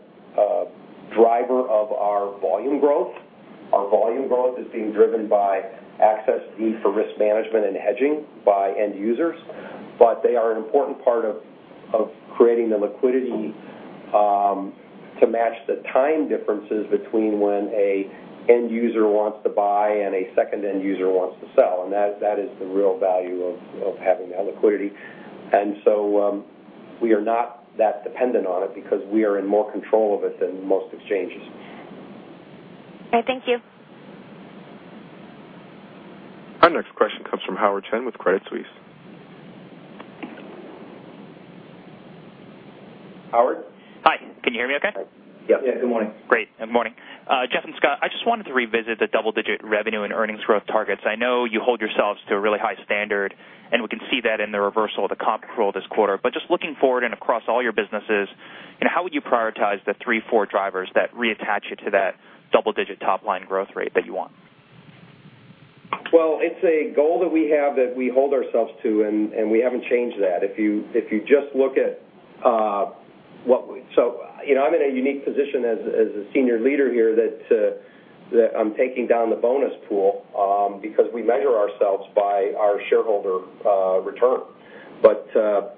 Speaker 4: driver of our volume growth. Our volume growth is being driven by access need for risk management and hedging by end users. They are an important part of creating the liquidity, to match the time differences between when a end user wants to buy and a second end user wants to sell, and that is the real value of having that liquidity. We are not that dependent on it because we are in more control of it than most exchanges.
Speaker 7: Okay, thank you.
Speaker 1: Our next question comes from Howard Chen with Credit Suisse.
Speaker 4: Howard?
Speaker 8: Hi, can you hear me okay?
Speaker 4: Yep. Yeah, good morning.
Speaker 8: Great. Good morning. Jeff and Scott, I just wanted to revisit the double-digit revenue and earnings growth targets. I know you hold yourselves to a really high standard, and we can see that in the reversal of the comp growth this quarter. Just looking forward and across all your businesses, how would you prioritize the three, four drivers that reattach it to that double-digit top-line growth rate that you want?
Speaker 4: It's a goal that we have that we hold ourselves to. We haven't changed that. I'm in a unique position as a senior leader here that I'm taking down the bonus pool, because we measure ourselves by our shareholder return.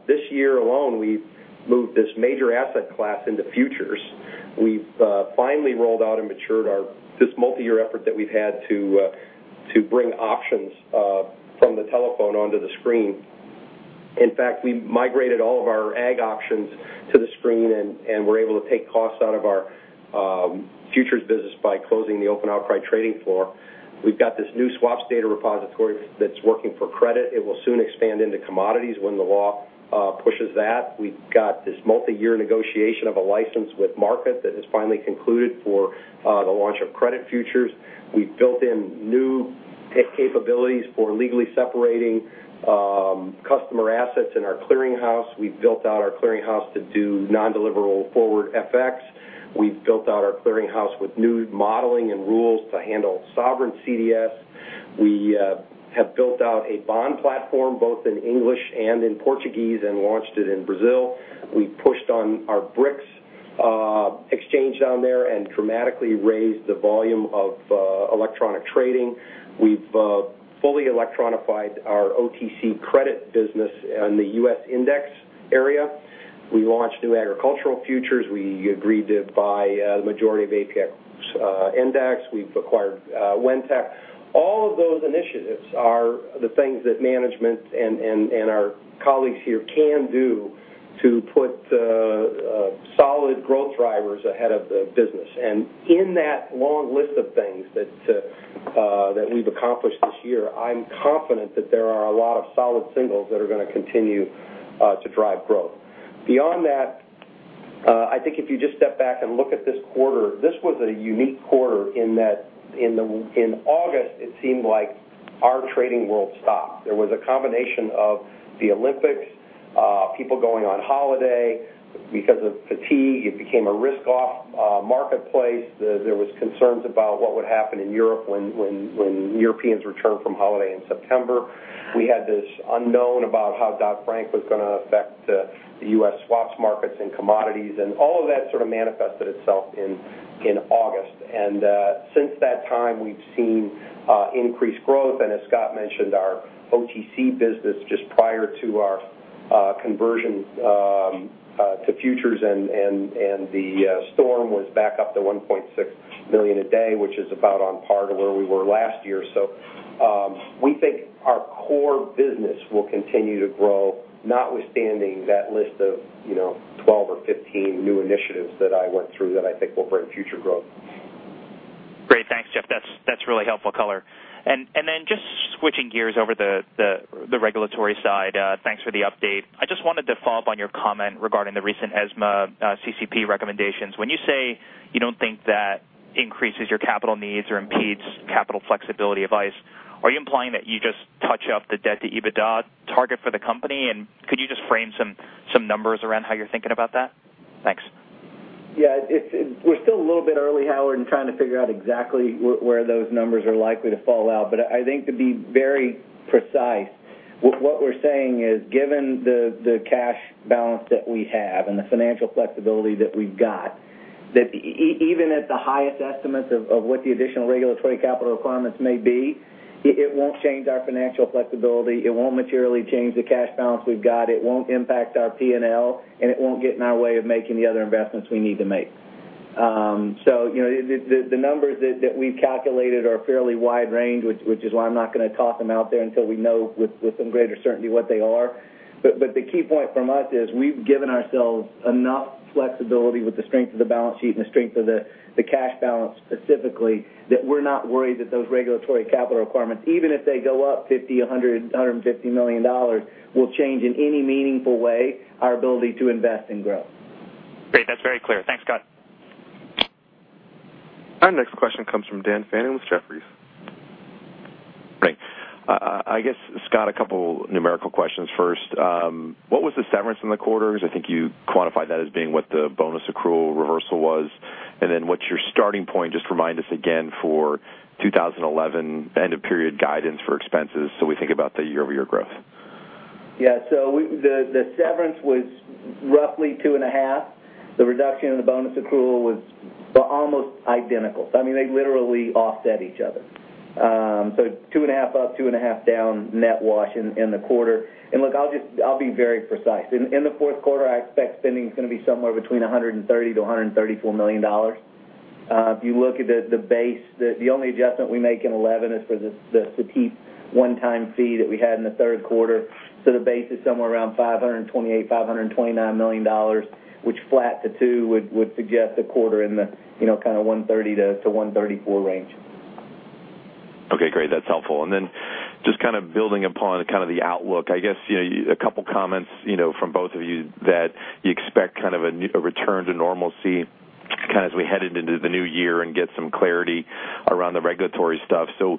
Speaker 4: This year alone, we've moved this major asset class into futures. We've finally rolled out and matured this multi-year effort that we've had to bring options from the telephone onto the screen. In fact, we migrated all of our ag options to the screen and were able to take costs out of our futures business by closing the open outcry trading floor. We've got this new swaps data repository that's working for credit. It will soon expand into commodities when the law pushes that. We've got this multi-year negotiation of a license with Markit that has finally concluded for the launch of credit futures. We've built in new capabilities for legally separating customer assets in our clearing house. We've built out our clearing house to do non-deliverable forward FX. We've built out our clearing house with new modeling and rules to handle sovereign CDS. We have built out a bond platform, both in English and in Portuguese, and launched it in Brazil. We pushed on our BRIX exchange down there and dramatically raised the volume of electronic trading. We've fully electronified our OTC credit business in the U.S. index area. We launched new agricultural futures. We agreed to buy the majority of APX-ENDEX. We've acquired WhenTech. All of those initiatives are the things that management and our colleagues here can do to put solid growth drivers ahead of the business. In that long list of things that we've accomplished this year, I'm confident that there are a lot of solid signals that are going to continue to drive growth. Beyond that, I think if you just step back and look at this quarter, this was a unique quarter in that in August, it seemed like our trading world stopped. There was a combination of the Olympics, people going on holiday. Because of fatigue, it became a risk-off marketplace. There was concerns about what would happen in Europe when Europeans returned from holiday in September. We had this unknown about how Dodd-Frank was going to affect the U.S. swaps markets and commodities, and all of that sort of manifested itself in August. Since that time, we've seen increased growth, and as Scott mentioned, our OTC business just prior to our conversion to futures and the storm was back up to $1.6 million a day, which is about on par to where we were last year. We think our core business will continue to grow, notwithstanding that list of 12 or 15 new initiatives that I went through that I think will bring future growth.
Speaker 8: Great. Thanks, Jeff. That's really helpful color. Just switching gears over the regulatory side, thanks for the update. I just wanted to follow up on your comment regarding the recent ESMA CCP recommendations. When you say you don't think that increases your capital needs or impedes capital flexibility of ICE, are you implying that you just touch up the debt-to-EBITDA target for the company, and could you just frame some numbers around how you're thinking about that? Thanks.
Speaker 3: Yeah. We're still a little bit early, Howard, in trying to figure out exactly where those numbers are likely to fall out. I think to be very precise, what we're saying is, given the cash balance that we have and the financial flexibility that we've got, that even at the highest estimates of what the additional regulatory capital requirements may be, it won't change our financial flexibility, it won't materially change the cash balance we've got, it won't impact our P&L, and it won't get in our way of making the other investments we need to make. The numbers that we've calculated are fairly wide range, which is why I'm not going to toss them out there until we know with some greater certainty what they are. The key point from us is we've given ourselves enough flexibility with the strength of the balance sheet and the strength of the cash balance specifically, that we're not worried that those regulatory capital requirements, even if they go up $50, $100, $150 million, will change in any meaningful way our ability to invest and grow.
Speaker 8: Great. That's very clear. Thanks, Scott.
Speaker 1: Our next question comes from Dan Fannon with Jefferies.
Speaker 9: Great. I guess, Scott, a couple numerical questions first. What was the severance in the quarters? I think you quantified that as being what the bonus accrual reversal was. What's your starting point, just remind us again, for 2011 end-of-period guidance for expenses so we think about the year-over-year growth.
Speaker 3: Yeah. The severance was roughly two and a half. The reduction in the bonus accrual was almost identical. They literally offset each other. Two and a half up, two and a half down, net wash in the quarter. Look, I'll be very precise. In the fourth quarter, I expect spending's going to be somewhere between $130 million-$134 million. If you look at the base, the only adjustment we make in 2011 is for the Cetip one-time fee that we had in the third quarter. The base is somewhere around $528 million-$529 million, which flat to two would suggest a quarter in the kind of $130 million-$134 million range.
Speaker 9: Okay, great. That's helpful. Just kind of building upon kind of the outlook, I guess, a couple of comments from both of you that you expect kind of a return to normalcy kind of as we head into the new year and get some clarity around the regulatory stuff. Is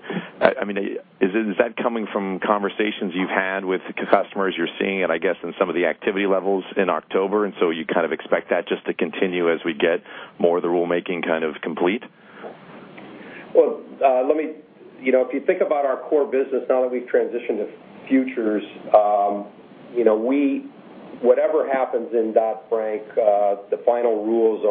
Speaker 9: that coming from conversations you've had with the customers, you're seeing it, I guess, in some of the activity levels in October, and so you kind of expect that just to continue as we get more of the rulemaking kind of complete?
Speaker 4: If you think about our core business now that we've transitioned to futures, whatever happens in Dodd-Frank, the final rules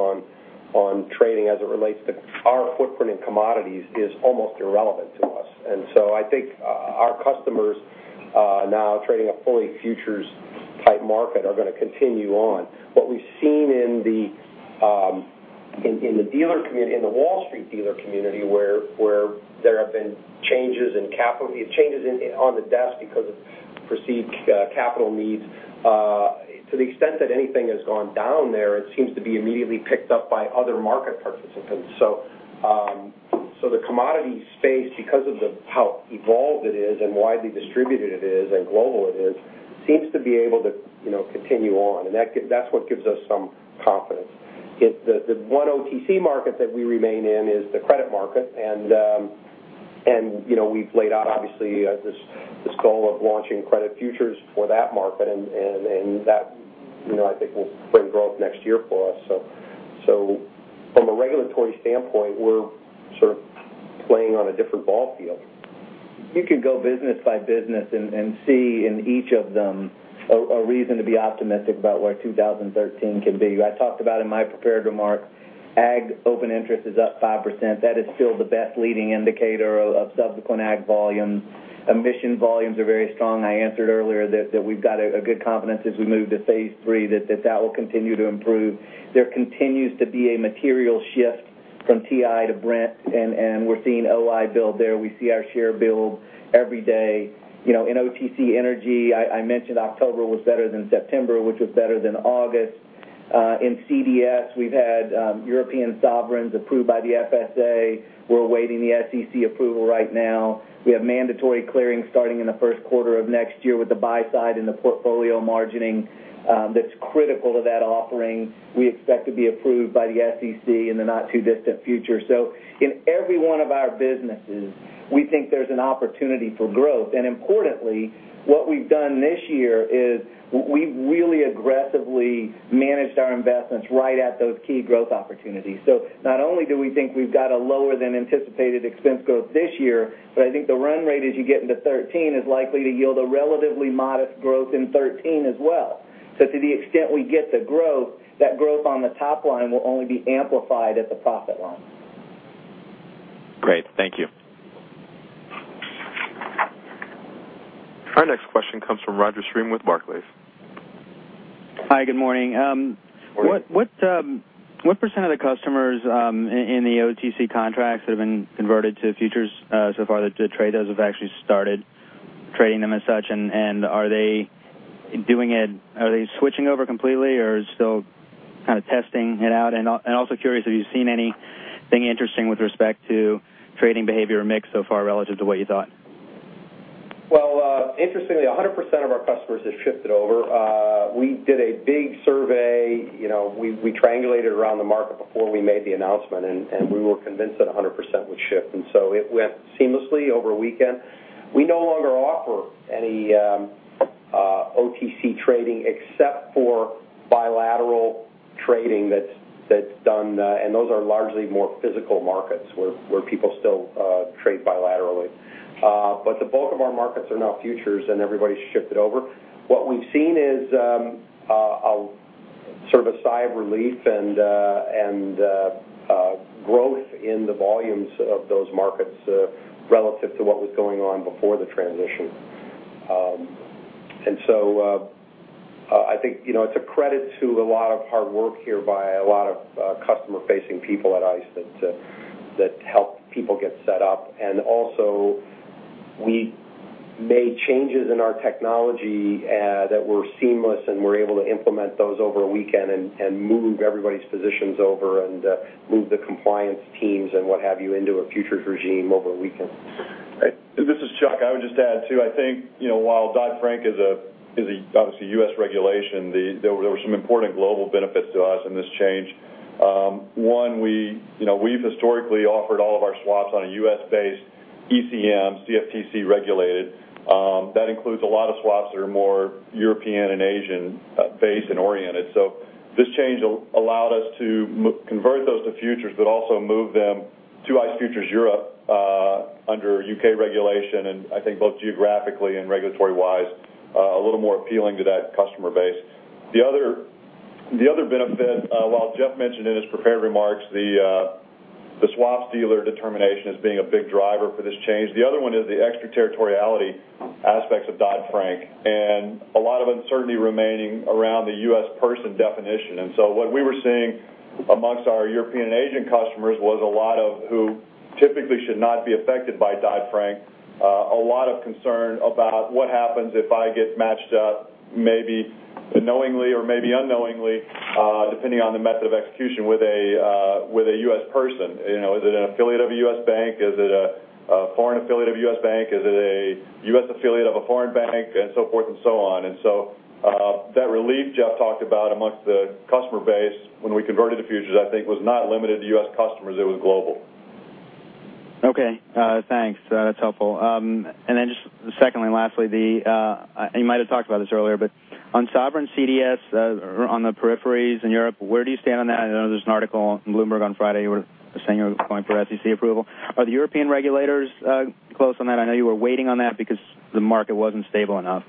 Speaker 4: on trading as it relates to our footprint in commodities is almost irrelevant to us. I think our customers, now trading a fully futures-type market, are going to continue on. What we've seen in the Wall Street dealer community, where there have been changes on the desk because of perceived capital needs, to the extent that anything has gone down there, it seems to be immediately picked up by other market participants. The commodities space, because of how evolved it is and widely distributed it is and global it is, seems to be able to continue on. That's what gives us some confidence. The one OTC market that we remain in is the credit market, and we've laid out, obviously, this goal of launching credit futures for that market, and that I think will bring growth next year for us. From a regulatory standpoint, we're sort of playing on a different ball field.
Speaker 3: You could go business by business and see in each of them a reason to be optimistic about what 2013 can be. I talked about in my prepared remarks, ag open interest is up 5%. That is still the best leading indicator of subsequent ag volume. Emission volumes are very strong. I answered earlier that we've got a good confidence as we move to phase III, that that will continue to improve. There continues to be a material shift from TI to Brent, and we're seeing OI build there. We see our share build every day. In OTC energy, I mentioned October was better than September, which was better than August. In CDS, we've had European sovereigns approved by the FSA. We're awaiting the SEC approval right now. We have mandatory clearing starting in the first quarter of next year with the buy side and the portfolio margining that's critical to that offering. We expect to be approved by the SEC in the not-too-distant future. In every one of our businesses, we think there's an opportunity for growth. Importantly, what we've done this year is we've really aggressively managed our investments right at those key growth opportunities. Not only do we think we've got a lower-than-anticipated expense growth this year, but I think the run rate as you get into 2013 is likely to yield a relatively modest growth in 2013 as well. To the extent we get the growth, that growth on the top line will only be amplified at the profit line.
Speaker 9: Great. Thank you.
Speaker 1: Our next question comes from Roger Freeman with Barclays.
Speaker 10: Hi, good morning.
Speaker 3: Morning.
Speaker 10: What % of the customers in the OTC contracts that have been converted to futures so far that trade those have actually started trading them as such, are they switching over completely or still kind of testing it out? Also curious, have you seen anything interesting with respect to trading behavior mix so far relative to what you thought?
Speaker 4: Well, interestingly, 100% of our customers have shifted over. We did a big survey. We triangulated around the market before we made the announcement, we were convinced that 100% would shift, so it went seamlessly over a weekend. We no longer offer any OTC trading except for bilateral trading that's done, those are largely more physical markets where people still trade bilaterally. The bulk of our markets are now futures, everybody's shifted over. What we've seen is sort of a sigh of relief and growth in the volumes of those markets relative to what was going on before the transition. I think it's a credit to a lot of hard work here by a lot of customer-facing people at ICE that help people get set up. Also, we made changes in our technology that were seamless, we were able to implement those over a weekend, move everybody's positions over, move the compliance teams and what have you into a futures regime over a weekend.
Speaker 11: This is Chuck. I would just add, too, I think, while Dodd-Frank is obviously U.S. regulation, there were some important global benefits to us in this change. One, we've historically offered all of our swaps on a U.S.-based ECM, CFTC regulated. That includes a lot of swaps that are more European and Asian-based and oriented. This change allowed us to convert those to futures but also move them to ICE Futures Europe under U.K. regulation, I think both geographically and regulatory-wise, a little more appealing to that customer base. The other benefit, while Jeff mentioned in his prepared remarks the swaps dealer determination as being a big driver for this change, the other one is the extra territoriality aspects of Dodd-Frank, a lot of uncertainty remaining around the U.S. person definition. What we were seeing amongst our European and Asian customers was a lot of who typically should not be affected by Dodd-Frank, a lot of concern about what happens if I get matched up, maybe knowingly or maybe unknowingly, depending on the method of execution, with a U.S. person. Is it an affiliate of a U.S. bank? Is it a foreign affiliate of a U.S. bank? Is it a U.S. affiliate of a foreign bank? And so forth and so on. That relief Jeff talked about amongst the customer base when we converted to futures, I think, was not limited to U.S. customers. It was global.
Speaker 10: Okay. Thanks. That's helpful. Just secondly and lastly, you might've talked about this earlier, on sovereign CDS, on the peripheries in Europe, where do you stand on that? I know there's an article on Bloomberg on Friday where a senior was going for SEC approval. Are the European regulators close on that? I know you were waiting on that because the market wasn't stable enough.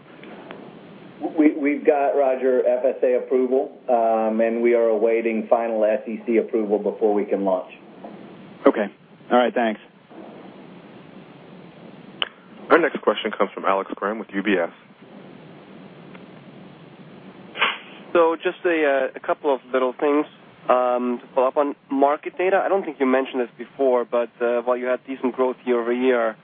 Speaker 3: We've got, Roger, FSA approval. We are awaiting final SEC approval before we can launch.
Speaker 10: Okay. All right. Thanks.
Speaker 1: Our next question comes from Alex Kramm with UBS.
Speaker 12: Just a couple of little things. To follow up on market data, I don't think you mentioned this before, but while you had decent growth year-over-year,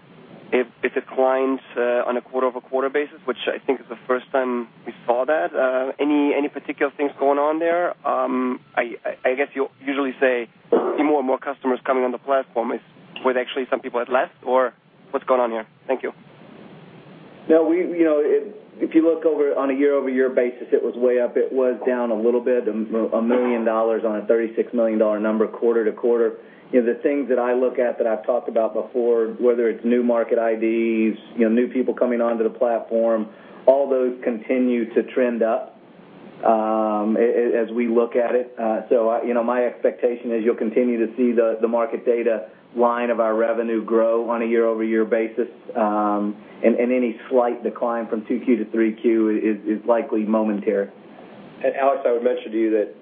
Speaker 12: it declines on a quarter-over-quarter basis, which I think is the first time we saw that. Any particular things going on there? I guess you usually say more and more customers coming on the platform. Were there actually some people had left, or what's going on here? Thank you.
Speaker 3: If you look over on a year-over-year basis, it was way up. It was down a little bit, $1 million on a $36 million number quarter-to-quarter. The things that I look at that I've talked about before, whether it's new market IDs, new people coming onto the platform, all those continue to trend up, as we look at it. My expectation is you'll continue to see the market data line of our revenue grow on a year-over-year basis, and any slight decline from 2Q to 3Q is likely momentary.
Speaker 11: Alex, I would mention to you that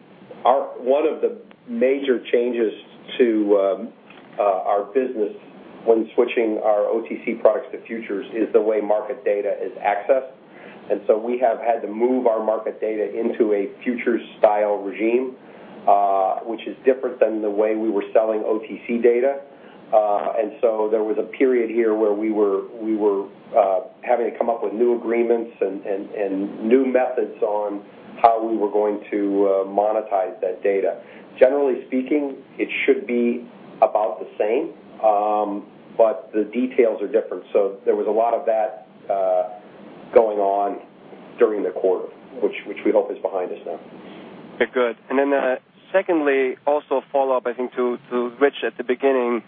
Speaker 11: one of the major changes to our business when switching our OTC products to futures is the way market data is accessed. We have had to move our market data into a futures-style regime, which is different than the way we were selling OTC data. There was a period here where we were having to come up with new agreements and new methods on how we were going to monetize that data. Generally speaking, it should be about the same, but the details are different. There was a lot of that going on during the quarter, which we hope is behind us now.
Speaker 12: Okay, good. Secondly, also a follow-up, I think, to Rich at the beginning,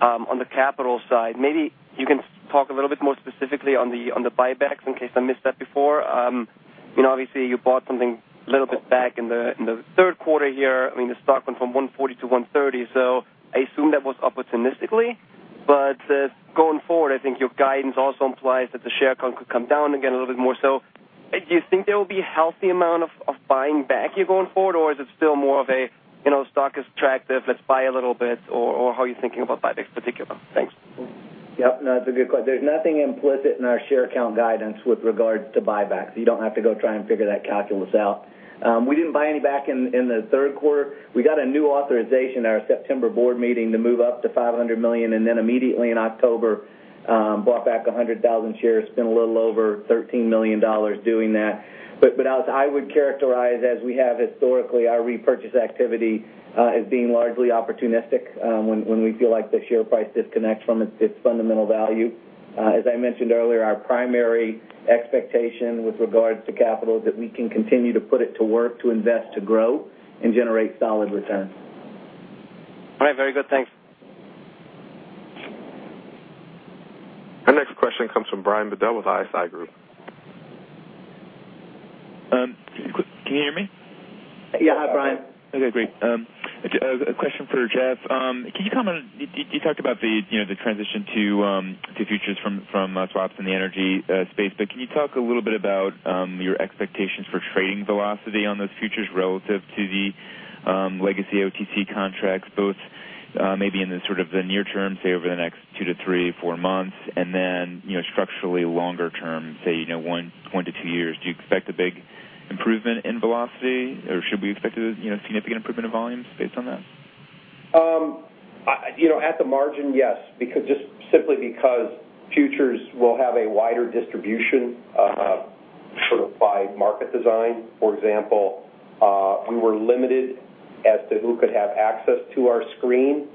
Speaker 12: on the capital side. Maybe you can talk a little bit more specifically on the buybacks, in case I missed that before. Obviously, you bought something a little bit back in the third quarter here. I mean, the stock went from $140 to $130, so I assume that was opportunistically. Going forward, I think your guidance also implies that the share count could come down again a little bit more. Do you think there will be a healthy amount of buying back here going forward, or is it still more of a stock is attractive, let's buy a little bit, or how are you thinking about buybacks in particular? Thanks.
Speaker 3: Yep. No, it's a good question. There's nothing implicit in our share count guidance with regards to buybacks. You don't have to go try and figure that calculus out. We didn't buy any back in the third quarter. We got a new authorization at our September board meeting to move up to $500 million, and then immediately in October, bought back 100,000 shares, spent a little over $13 million doing that. Alex, I would characterize, as we have historically, our repurchase activity as being largely opportunistic when we feel like the share price disconnects from its fundamental value. As I mentioned earlier, our primary expectation with regards to capital is that we can continue to put it to work, to invest, to grow, and generate solid returns.
Speaker 12: All right. Very good. Thanks.
Speaker 1: Our next question comes from Brian Bedell with ISI Group.
Speaker 13: Can you hear me?
Speaker 3: Yeah. Hi, Brian.
Speaker 13: Okay, great. A question for Jeff. You talked about the transition to futures from swaps in the energy space, can you talk a little bit about your expectations for trading velocity on those futures relative to the legacy OTC contracts, both Maybe in the near term, say over the next two to three, four months, and then structurally longer term, say one to two years, do you expect a big improvement in velocity or should we expect a significant improvement of volumes based on that?
Speaker 4: At the margin, yes, just simply because futures will have a wider distribution, sort of by market design. For example, we were limited as to who could have access to our screen.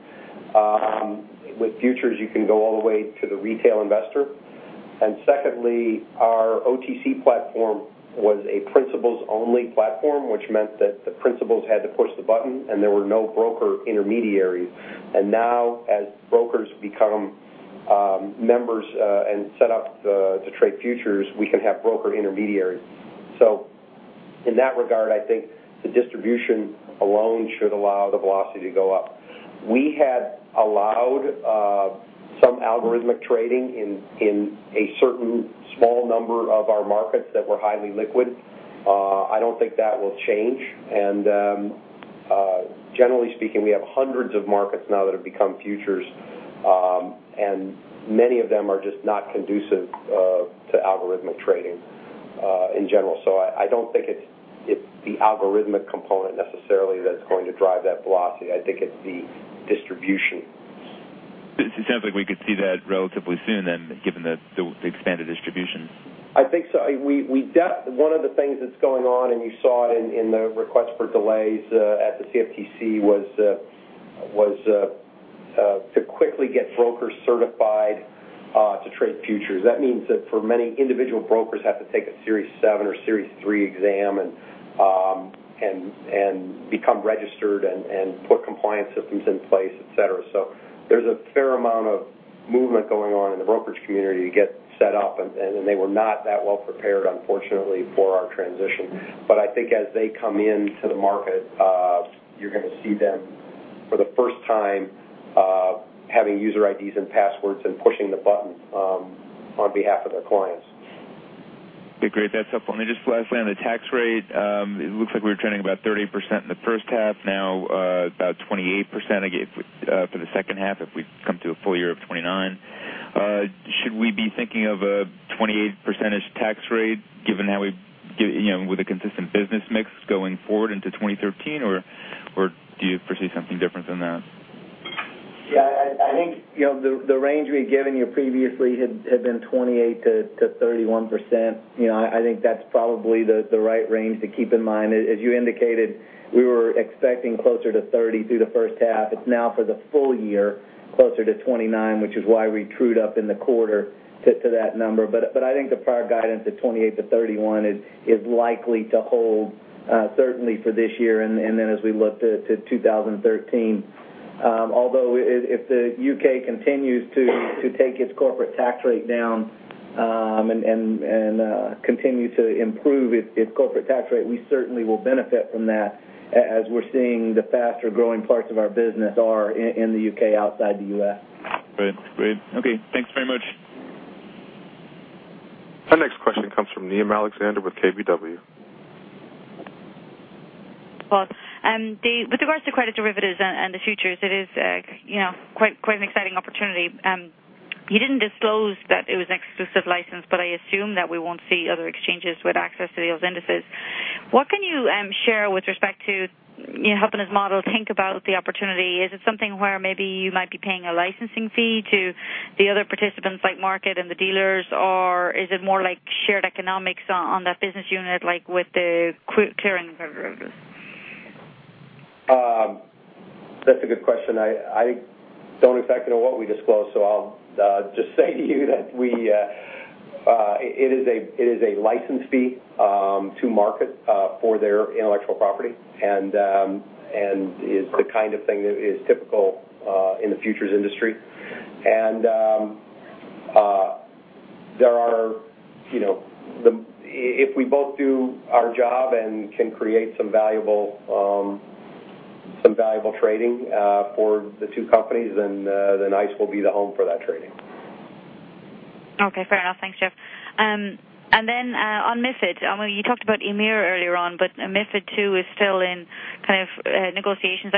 Speaker 4: With futures, you can go all the way to the retail investor. Secondly, our OTC platform was a principles-only platform, which meant that the principles had to push the button and there were no broker intermediaries. Now, as brokers become members and set up to trade futures, we can have broker intermediaries. In that regard, I think the distribution alone should allow the velocity to go up. We had allowed some algorithmic trading in a certain small number of our markets that were highly liquid. I don't think that will change. Generally speaking, we have hundreds of markets now that have become futures, and many of them are just not conducive to algorithmic trading in general. I don't think it's the algorithmic component necessarily that's going to drive that velocity. I think it's the distribution.
Speaker 13: It sounds like we could see that relatively soon then, given the expanded distribution.
Speaker 4: I think so. One of the things that's going on, you saw it in the request for delays at the CFTC, was to quickly get brokers certified to trade futures. That means that for many individual brokers have to take a Series 7 or Series 3 exam and become registered and put compliance systems in place, et cetera. There's a fair amount of movement going on in the brokerage community to get set up, and they were not that well prepared, unfortunately, for our transition. I think as they come into the market, you're going to see them, for the first time, having user IDs and passwords and pushing the button on behalf of their clients.
Speaker 13: Okay, great. That's helpful. Just lastly, on the tax rate, it looks like we were trending about 38% in the first half, now about 28%, I guess, for the second half, if we come to a full year of 29%. Should we be thinking of a 28% tax rate, with a consistent business mix going forward into 2013, or do you foresee something different than that?
Speaker 3: Yeah, I think the range we had given you previously had been 28%-31%. I think that's probably the right range to keep in mind. As you indicated, we were expecting closer to 30% through the first half. It's now, for the full year, closer to 29%, which is why we trued up in the quarter to that number. I think the prior guidance at 28%-31% is likely to hold, certainly for this year and then as we look to 2013. Although, if the U.K. continues to take its corporate tax rate down and continue to improve its corporate tax rate, we certainly will benefit from that, as we're seeing the faster-growing parts of our business are in the U.K., outside the U.S.
Speaker 13: Great. Okay, thanks very much.
Speaker 1: Our next question comes from Niamh Alexander with KBW.
Speaker 14: Well, with regards to credit derivatives and the futures, it is quite an exciting opportunity. You didn't disclose that it was an exclusive license, but I assume that we won't see other exchanges with access to those indices. What can you share with respect to helping this model think about the opportunity? Is it something where maybe you might be paying a licensing fee to the other participants like Markit and the dealers, or is it more like shared economics on that business unit, like with the clearing derivatives?
Speaker 4: That's a good question. I don't exactly know what we disclosed, so I'll just say to you that it is a license fee to Markit for their intellectual property, and is the kind of thing that is typical in the futures industry. If we both do our job and can create some valuable trading for the two companies, then ICE will be the home for that trading.
Speaker 14: Okay, fair enough. Thanks, Jeff. Then on MiFID, you talked about EMIR earlier on, but MiFID II is still in kind of negotiations.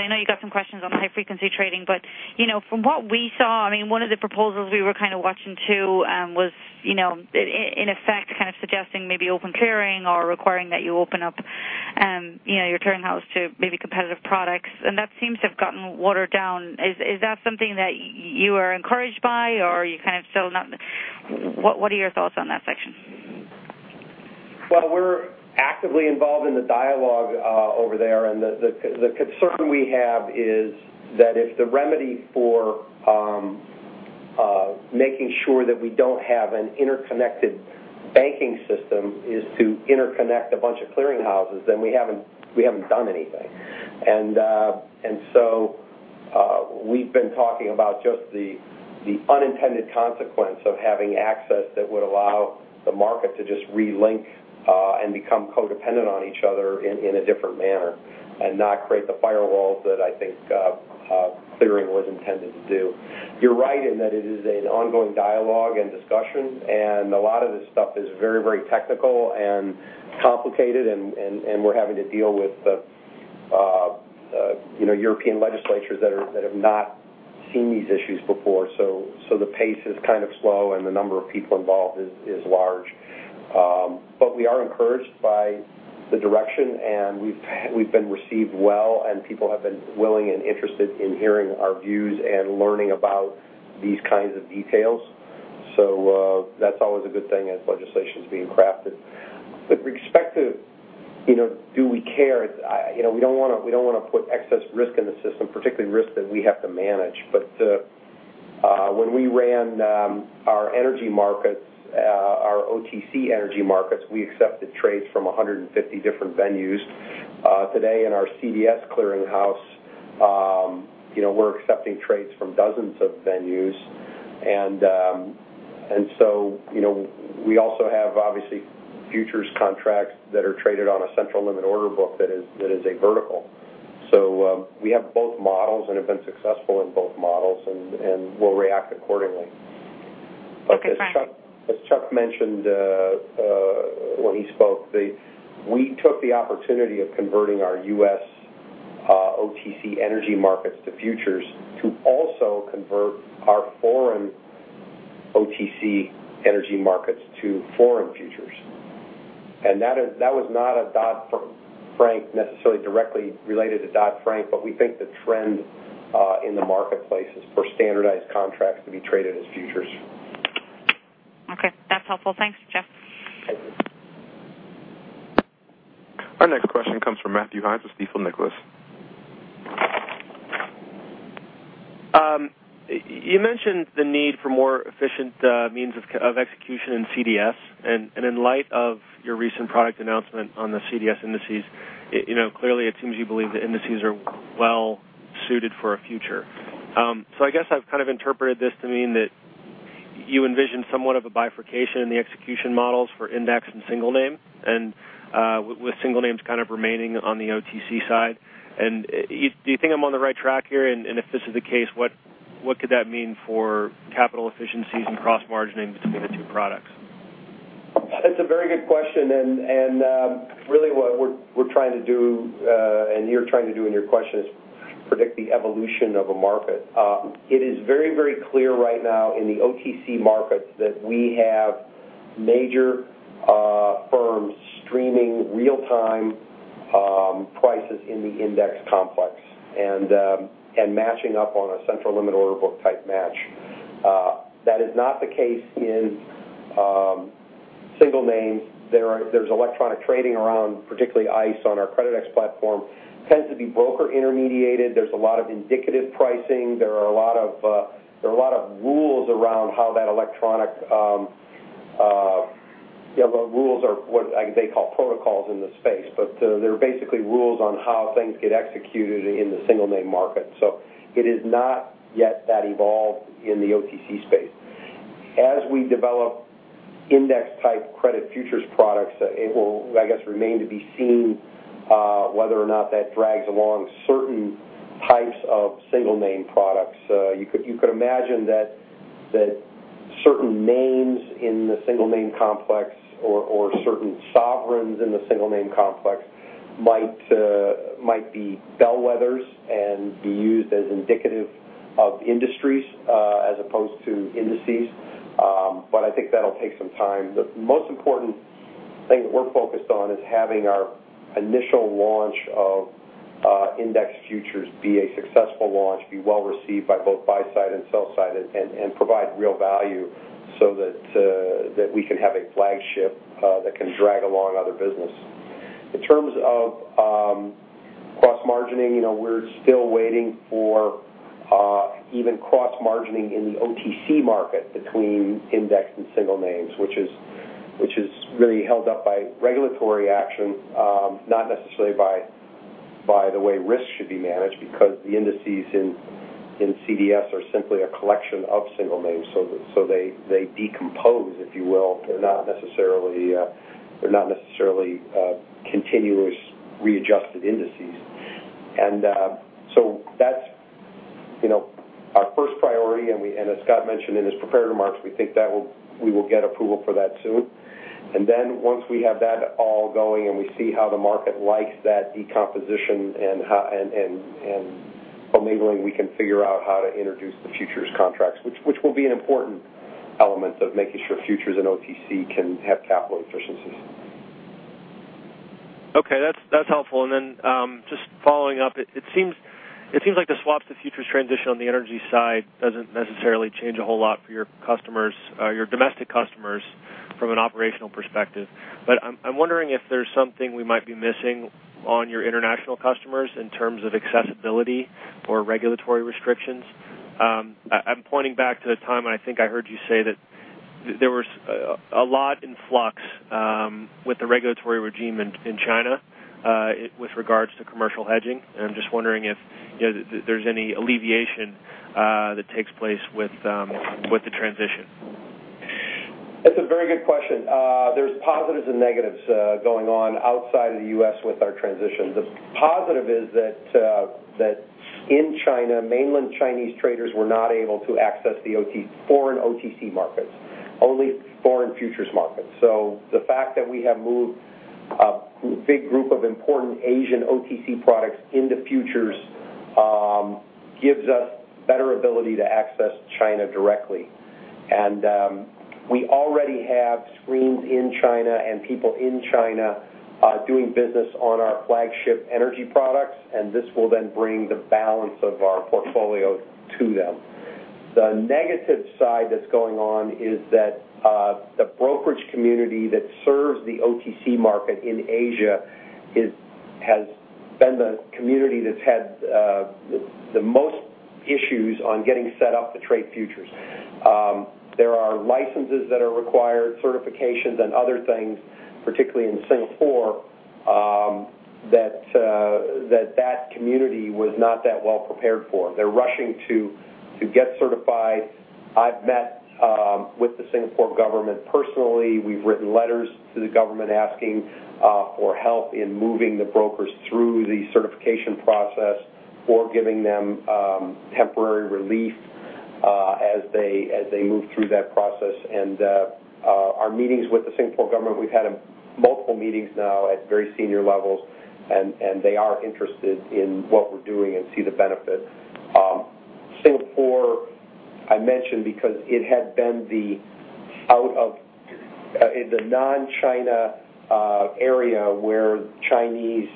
Speaker 14: From what we saw, one of the proposals we were kind of watching too was, in effect, kind of suggesting maybe open clearing or requiring that you open up your clearinghouse to maybe competitive products. That seems to have gotten watered down. Is that something that you are encouraged by, or are you kind of still not what are your thoughts on that section?
Speaker 4: Well, we're actively involved in the dialogue over there, the concern we have is that if the remedy for making sure that we don't have an interconnected banking system is to interconnect a bunch of clearinghouses, we haven't done anything. So we've been talking about just the unintended consequence of having access that would allow the market to just relink and become co-dependent on each other in a different manner and not create the firewalls that I think clearing was intended to do. You're right in that it is an ongoing dialogue and discussion, a lot of this stuff is very technical and complicated, we're having to deal with the European legislatures that have not seen these issues before. The pace is kind of slow and the number of people involved is large. We are encouraged by the direction we've been received well, people have been willing and interested in hearing our views and learning about these kinds of details. That's always a good thing as legislation's being crafted. With respect to, do we care? We don't want to put excess risk in the system, particularly risk that we have to manage. When we ran our energy markets, our OTC energy markets, we accepted trades from 150 different venues. Today in our CDS clearing house, we're accepting trades from dozens of venues. So, we also have, obviously, futures contracts that are traded on a central limit order book that is a vertical. We have both models and have been successful in both models we'll react accordingly.
Speaker 14: Okay, fine.
Speaker 4: As Chuck Vice mentioned when he spoke, we took the opportunity of converting our U.S. OTC energy markets to futures to also convert our foreign OTC energy markets to foreign futures. That was not necessarily directly related to Dodd-Frank, but we think the trend in the marketplace is for standardized contracts to be traded as futures.
Speaker 14: Okay. That's helpful. Thanks, Jeff.
Speaker 4: Thank you.
Speaker 1: Our next question comes from Matthew Heinz with Stifel Nicolaus.
Speaker 15: You mentioned the need for more efficient means of execution in CDS. In light of your recent product announcement on the CDS indices, clearly it seems you believe the indices are well suited for a future. I guess I've kind of interpreted this to mean that you envision somewhat of a bifurcation in the execution models for index and single name, with single names kind of remaining on the OTC side. Do you think I'm on the right track here? If this is the case, what could that mean for capital efficiencies and cross margining between the two products?
Speaker 4: That's a very good question, and really what we're trying to do, and you're trying to do in your question, is predict the evolution of a market. It is very clear right now in the OTC markets that we have major firms streaming real-time prices in the index complex and matching up on a central limit order book type match. That is not the case in single names. There's electronic trading around, particularly ICE on our Creditex platform, tends to be broker intermediated. There's a lot of indicative pricing. There are a lot of rules around how that The rules are what they call protocols in the space, but they're basically rules on how things get executed in the single name market. It is not yet that evolved in the OTC space. As we develop index type credit futures products, it will, I guess, remain to be seen whether or not that drags along certain types of single name products. You could imagine that certain names in the single name complex or certain sovereigns in the single name complex might be bellwethers and be used as indicative of industries, as opposed to indices. I think that'll take some time. The most important thing that we're focused on is having our initial launch of index futures be a successful launch, be well received by both buy side and sell side, and provide real value so that we can have a flagship that can drag along other business. In terms of cross margining, we're still waiting for even cross margining in the OTC market between index and single names, which is really held up by regulatory action, not necessarily by the way risk should be managed because the indices in CDS are simply a collection of single names. They decompose, if you will. They're not necessarily continuous readjusted indices. That's our first priority, and as Scott mentioned in his prepared remarks, we think we will get approval for that soon. Once we have that all going and we see how the market likes that decomposition and enabling, we can figure out how to introduce the futures contracts, which will be an important element of making sure futures and OTC can have capital efficiencies.
Speaker 15: Okay. That's helpful. Just following up, it seems like the swaps to futures transition on the energy side doesn't necessarily change a whole lot for your domestic customers from an operational perspective. I'm wondering if there's something we might be missing on your international customers in terms of accessibility or regulatory restrictions. I'm pointing back to the time when I think I heard you say that there was a lot in flux with the regulatory regime in China with regards to commercial hedging, and I'm just wondering if there's any alleviation that takes place with the transition.
Speaker 4: That's a very good question. There's positives and negatives going on outside of the U.S. with our transition. The positive is that in China, mainland Chinese traders were not able to access the foreign OTC markets, only foreign futures markets. The fact that we have moved a big group of important Asian OTC products into futures gives us better ability to access China directly. We already have screens in China and people in China doing business on our flagship energy products, and this will then bring the balance of our portfolio to them. The negative side that's going on is that the brokerage community that serves the OTC market in Asia has been the community that's had the most issues on getting set up to trade futures. There are licenses that are required, certifications, and other things, particularly in Singapore, that community was not that well-prepared for. They're rushing to get certified. I've met with the Singapore government personally. We've written letters to the government asking for help in moving the brokers through the certification process or giving them temporary relief as they move through that process. Our meetings with the Singapore government, we've had multiple meetings now at very senior levels, and they are interested in what we're doing and see the benefit. Singapore, I mention because it had been the non-China area where Chinese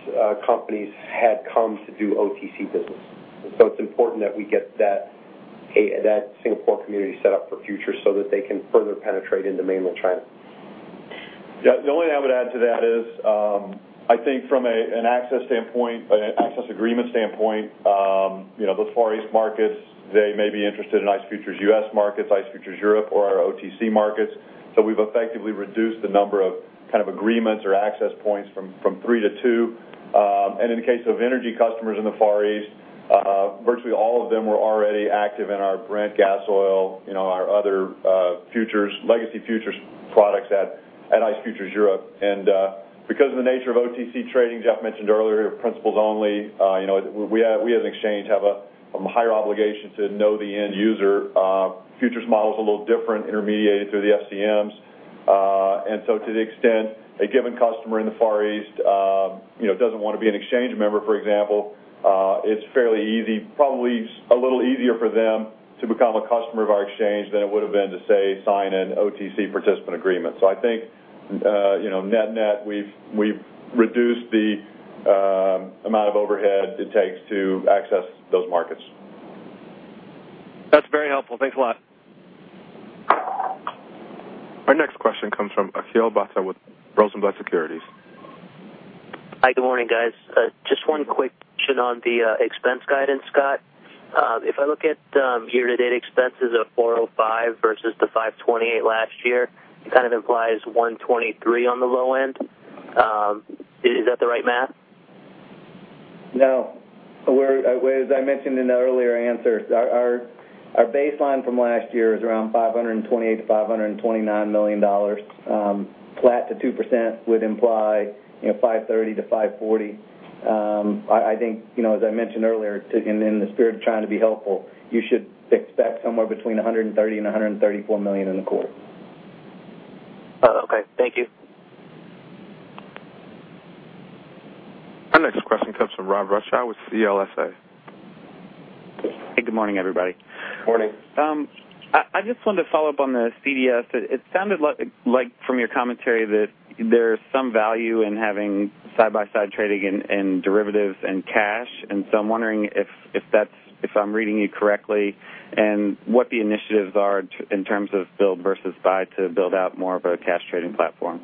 Speaker 4: companies had come to do OTC business. It's important that we get that Singapore community set up for futures so that they can further penetrate into mainland China.
Speaker 11: The only thing I would add to that is, I think from an access agreement standpoint, those Far East markets, they may be interested in ICE Futures U.S. markets, ICE Futures Europe, or our OTC markets. We've effectively reduced the number of agreements or access points from three to two. In the case of energy customers in the Far East, virtually all of them were already active in our Brent gas oil, our other legacy futures products at ICE Futures Europe. Because of the nature of OTC trading, Jeff mentioned earlier, principles only. We, as an exchange, have a higher obligation to know the end user. Futures model's a little different, intermediated through the FCMs. To the extent a given customer in the Far East doesn't want to be an exchange member, for example, it's fairly easy, probably a little easier for them to become a customer of our exchange than it would've been to, say, sign an OTC participant agreement. I think net-net, we've reduced the amount of overhead it takes to access those markets.
Speaker 15: That's very helpful. Thanks a lot.
Speaker 1: Our next question comes from Akhil Bhatia with Rosenblatt Securities.
Speaker 16: Hi. Good morning, guys. Just one quick question on the expense guidance, Scott. If I look at year-to-date expenses of $405 million versus the $528 million last year, it kind of implies $123 million on the low end. Is that the right math?
Speaker 3: No. As I mentioned in the earlier answers, our baseline from last year is around $528 million-$529 million. Flat to 2% would imply $530 million-$540 million. I think, as I mentioned earlier, in the spirit of trying to be helpful, you should expect somewhere between $130 million and $134 million in the quarter.
Speaker 16: Oh, okay. Thank you.
Speaker 1: Our next question comes from Robert Rutschow with CLSA.
Speaker 17: Hey, good morning, everybody.
Speaker 4: Morning.
Speaker 17: I just wanted to follow up on the CDS. It sounded like from your commentary that there's some value in having side-by-side trading in derivatives and cash. I'm wondering if I'm reading you correctly and what the initiatives are in terms of build versus buy to build out more of a cash trading platform.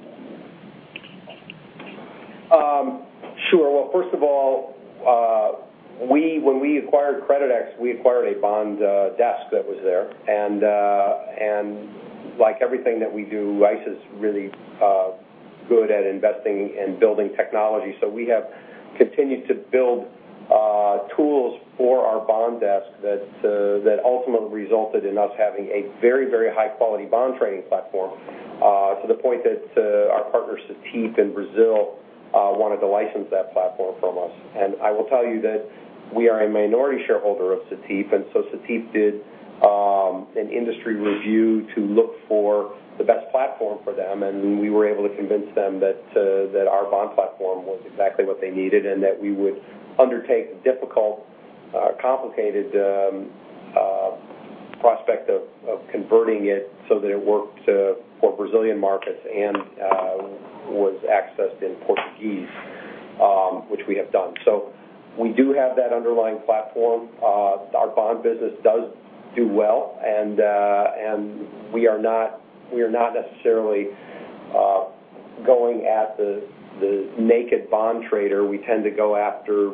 Speaker 4: Sure. Well, first of all, when we acquired Creditex, we acquired a bond desk that was there. Like everything that we do, ICE is really good at investing in building technology. We have continued to build tools for our bond desk that ultimately resulted in us having a very high-quality bond trading platform, to the point that our partner, Cetip in Brazil, wanted to license that platform from us. I will tell you that we are a minority shareholder of Cetip. Cetip did an industry review to look for the best platform for them, and we were able to convince them that our bond platform was exactly what they needed and that we would undertake the difficult, complicated prospect of converting it so that it worked for Brazilian markets and was accessed in Portuguese, which we have done. We do have that underlying platform. Our bond business does do well. We are not necessarily going at the naked bond trader. We tend to go after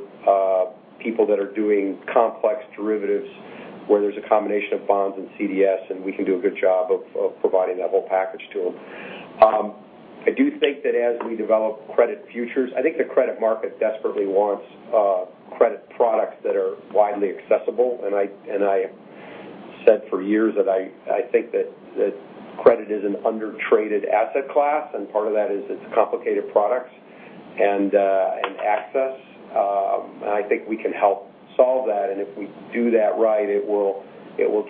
Speaker 4: people that are doing complex derivatives where there's a combination of bonds and CDS, and we can do a good job of providing that whole package to them. I do think that as we develop credit futures, I think the credit market desperately wants credit products that are widely accessible. I said for years that I think that credit is an under-traded asset class, and part of that is it's complicated products and access. I think we can help solve that. If we do that right, it will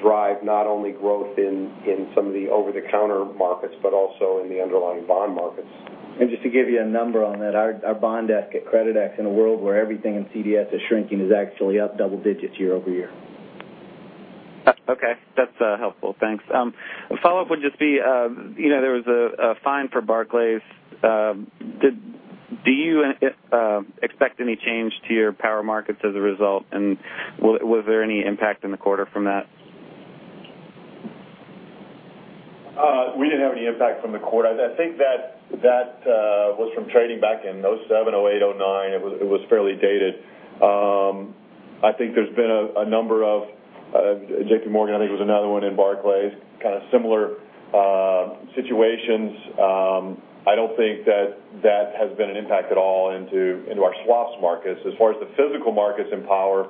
Speaker 4: drive not only growth in some of the over-the-counter markets, but also in the underlying bond markets.
Speaker 3: Just to give you a number on that, our bond desk at Creditex, in a world where everything in CDS is shrinking, is actually up double digits year-over-year.
Speaker 17: Okay. That's helpful. Thanks. A follow-up would just be, there was a fine for Barclays. Do you expect any change to your power markets as a result, and was there any impact in the quarter from that?
Speaker 11: We didn't have any impact from the quarter. I think that was from trading back in 2007, 2008, 2009. It was fairly dated. I think there's been a number of JPMorgan, I think, was another one, and Barclays, kind of similar situations. I don't think that that has been an impact at all into our swaps markets. As far as the physical markets in power,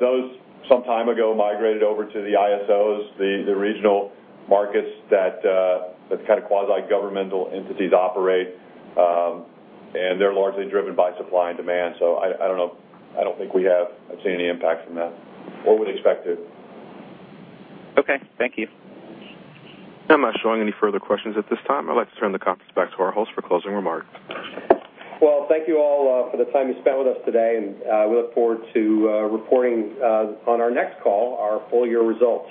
Speaker 11: those some time ago migrated over to the ISOs, the regional markets that kind of quasi-governmental entities operate, and they're largely driven by supply and demand. I don't think we have seen any impact from that or would expect to.
Speaker 17: Okay. Thank you.
Speaker 1: I'm not showing any further questions at this time. I'd like to turn the conference back to our hosts for closing remarks.
Speaker 4: Thank you all for the time you spent with us today, and we look forward to reporting on our next call, our full-year results.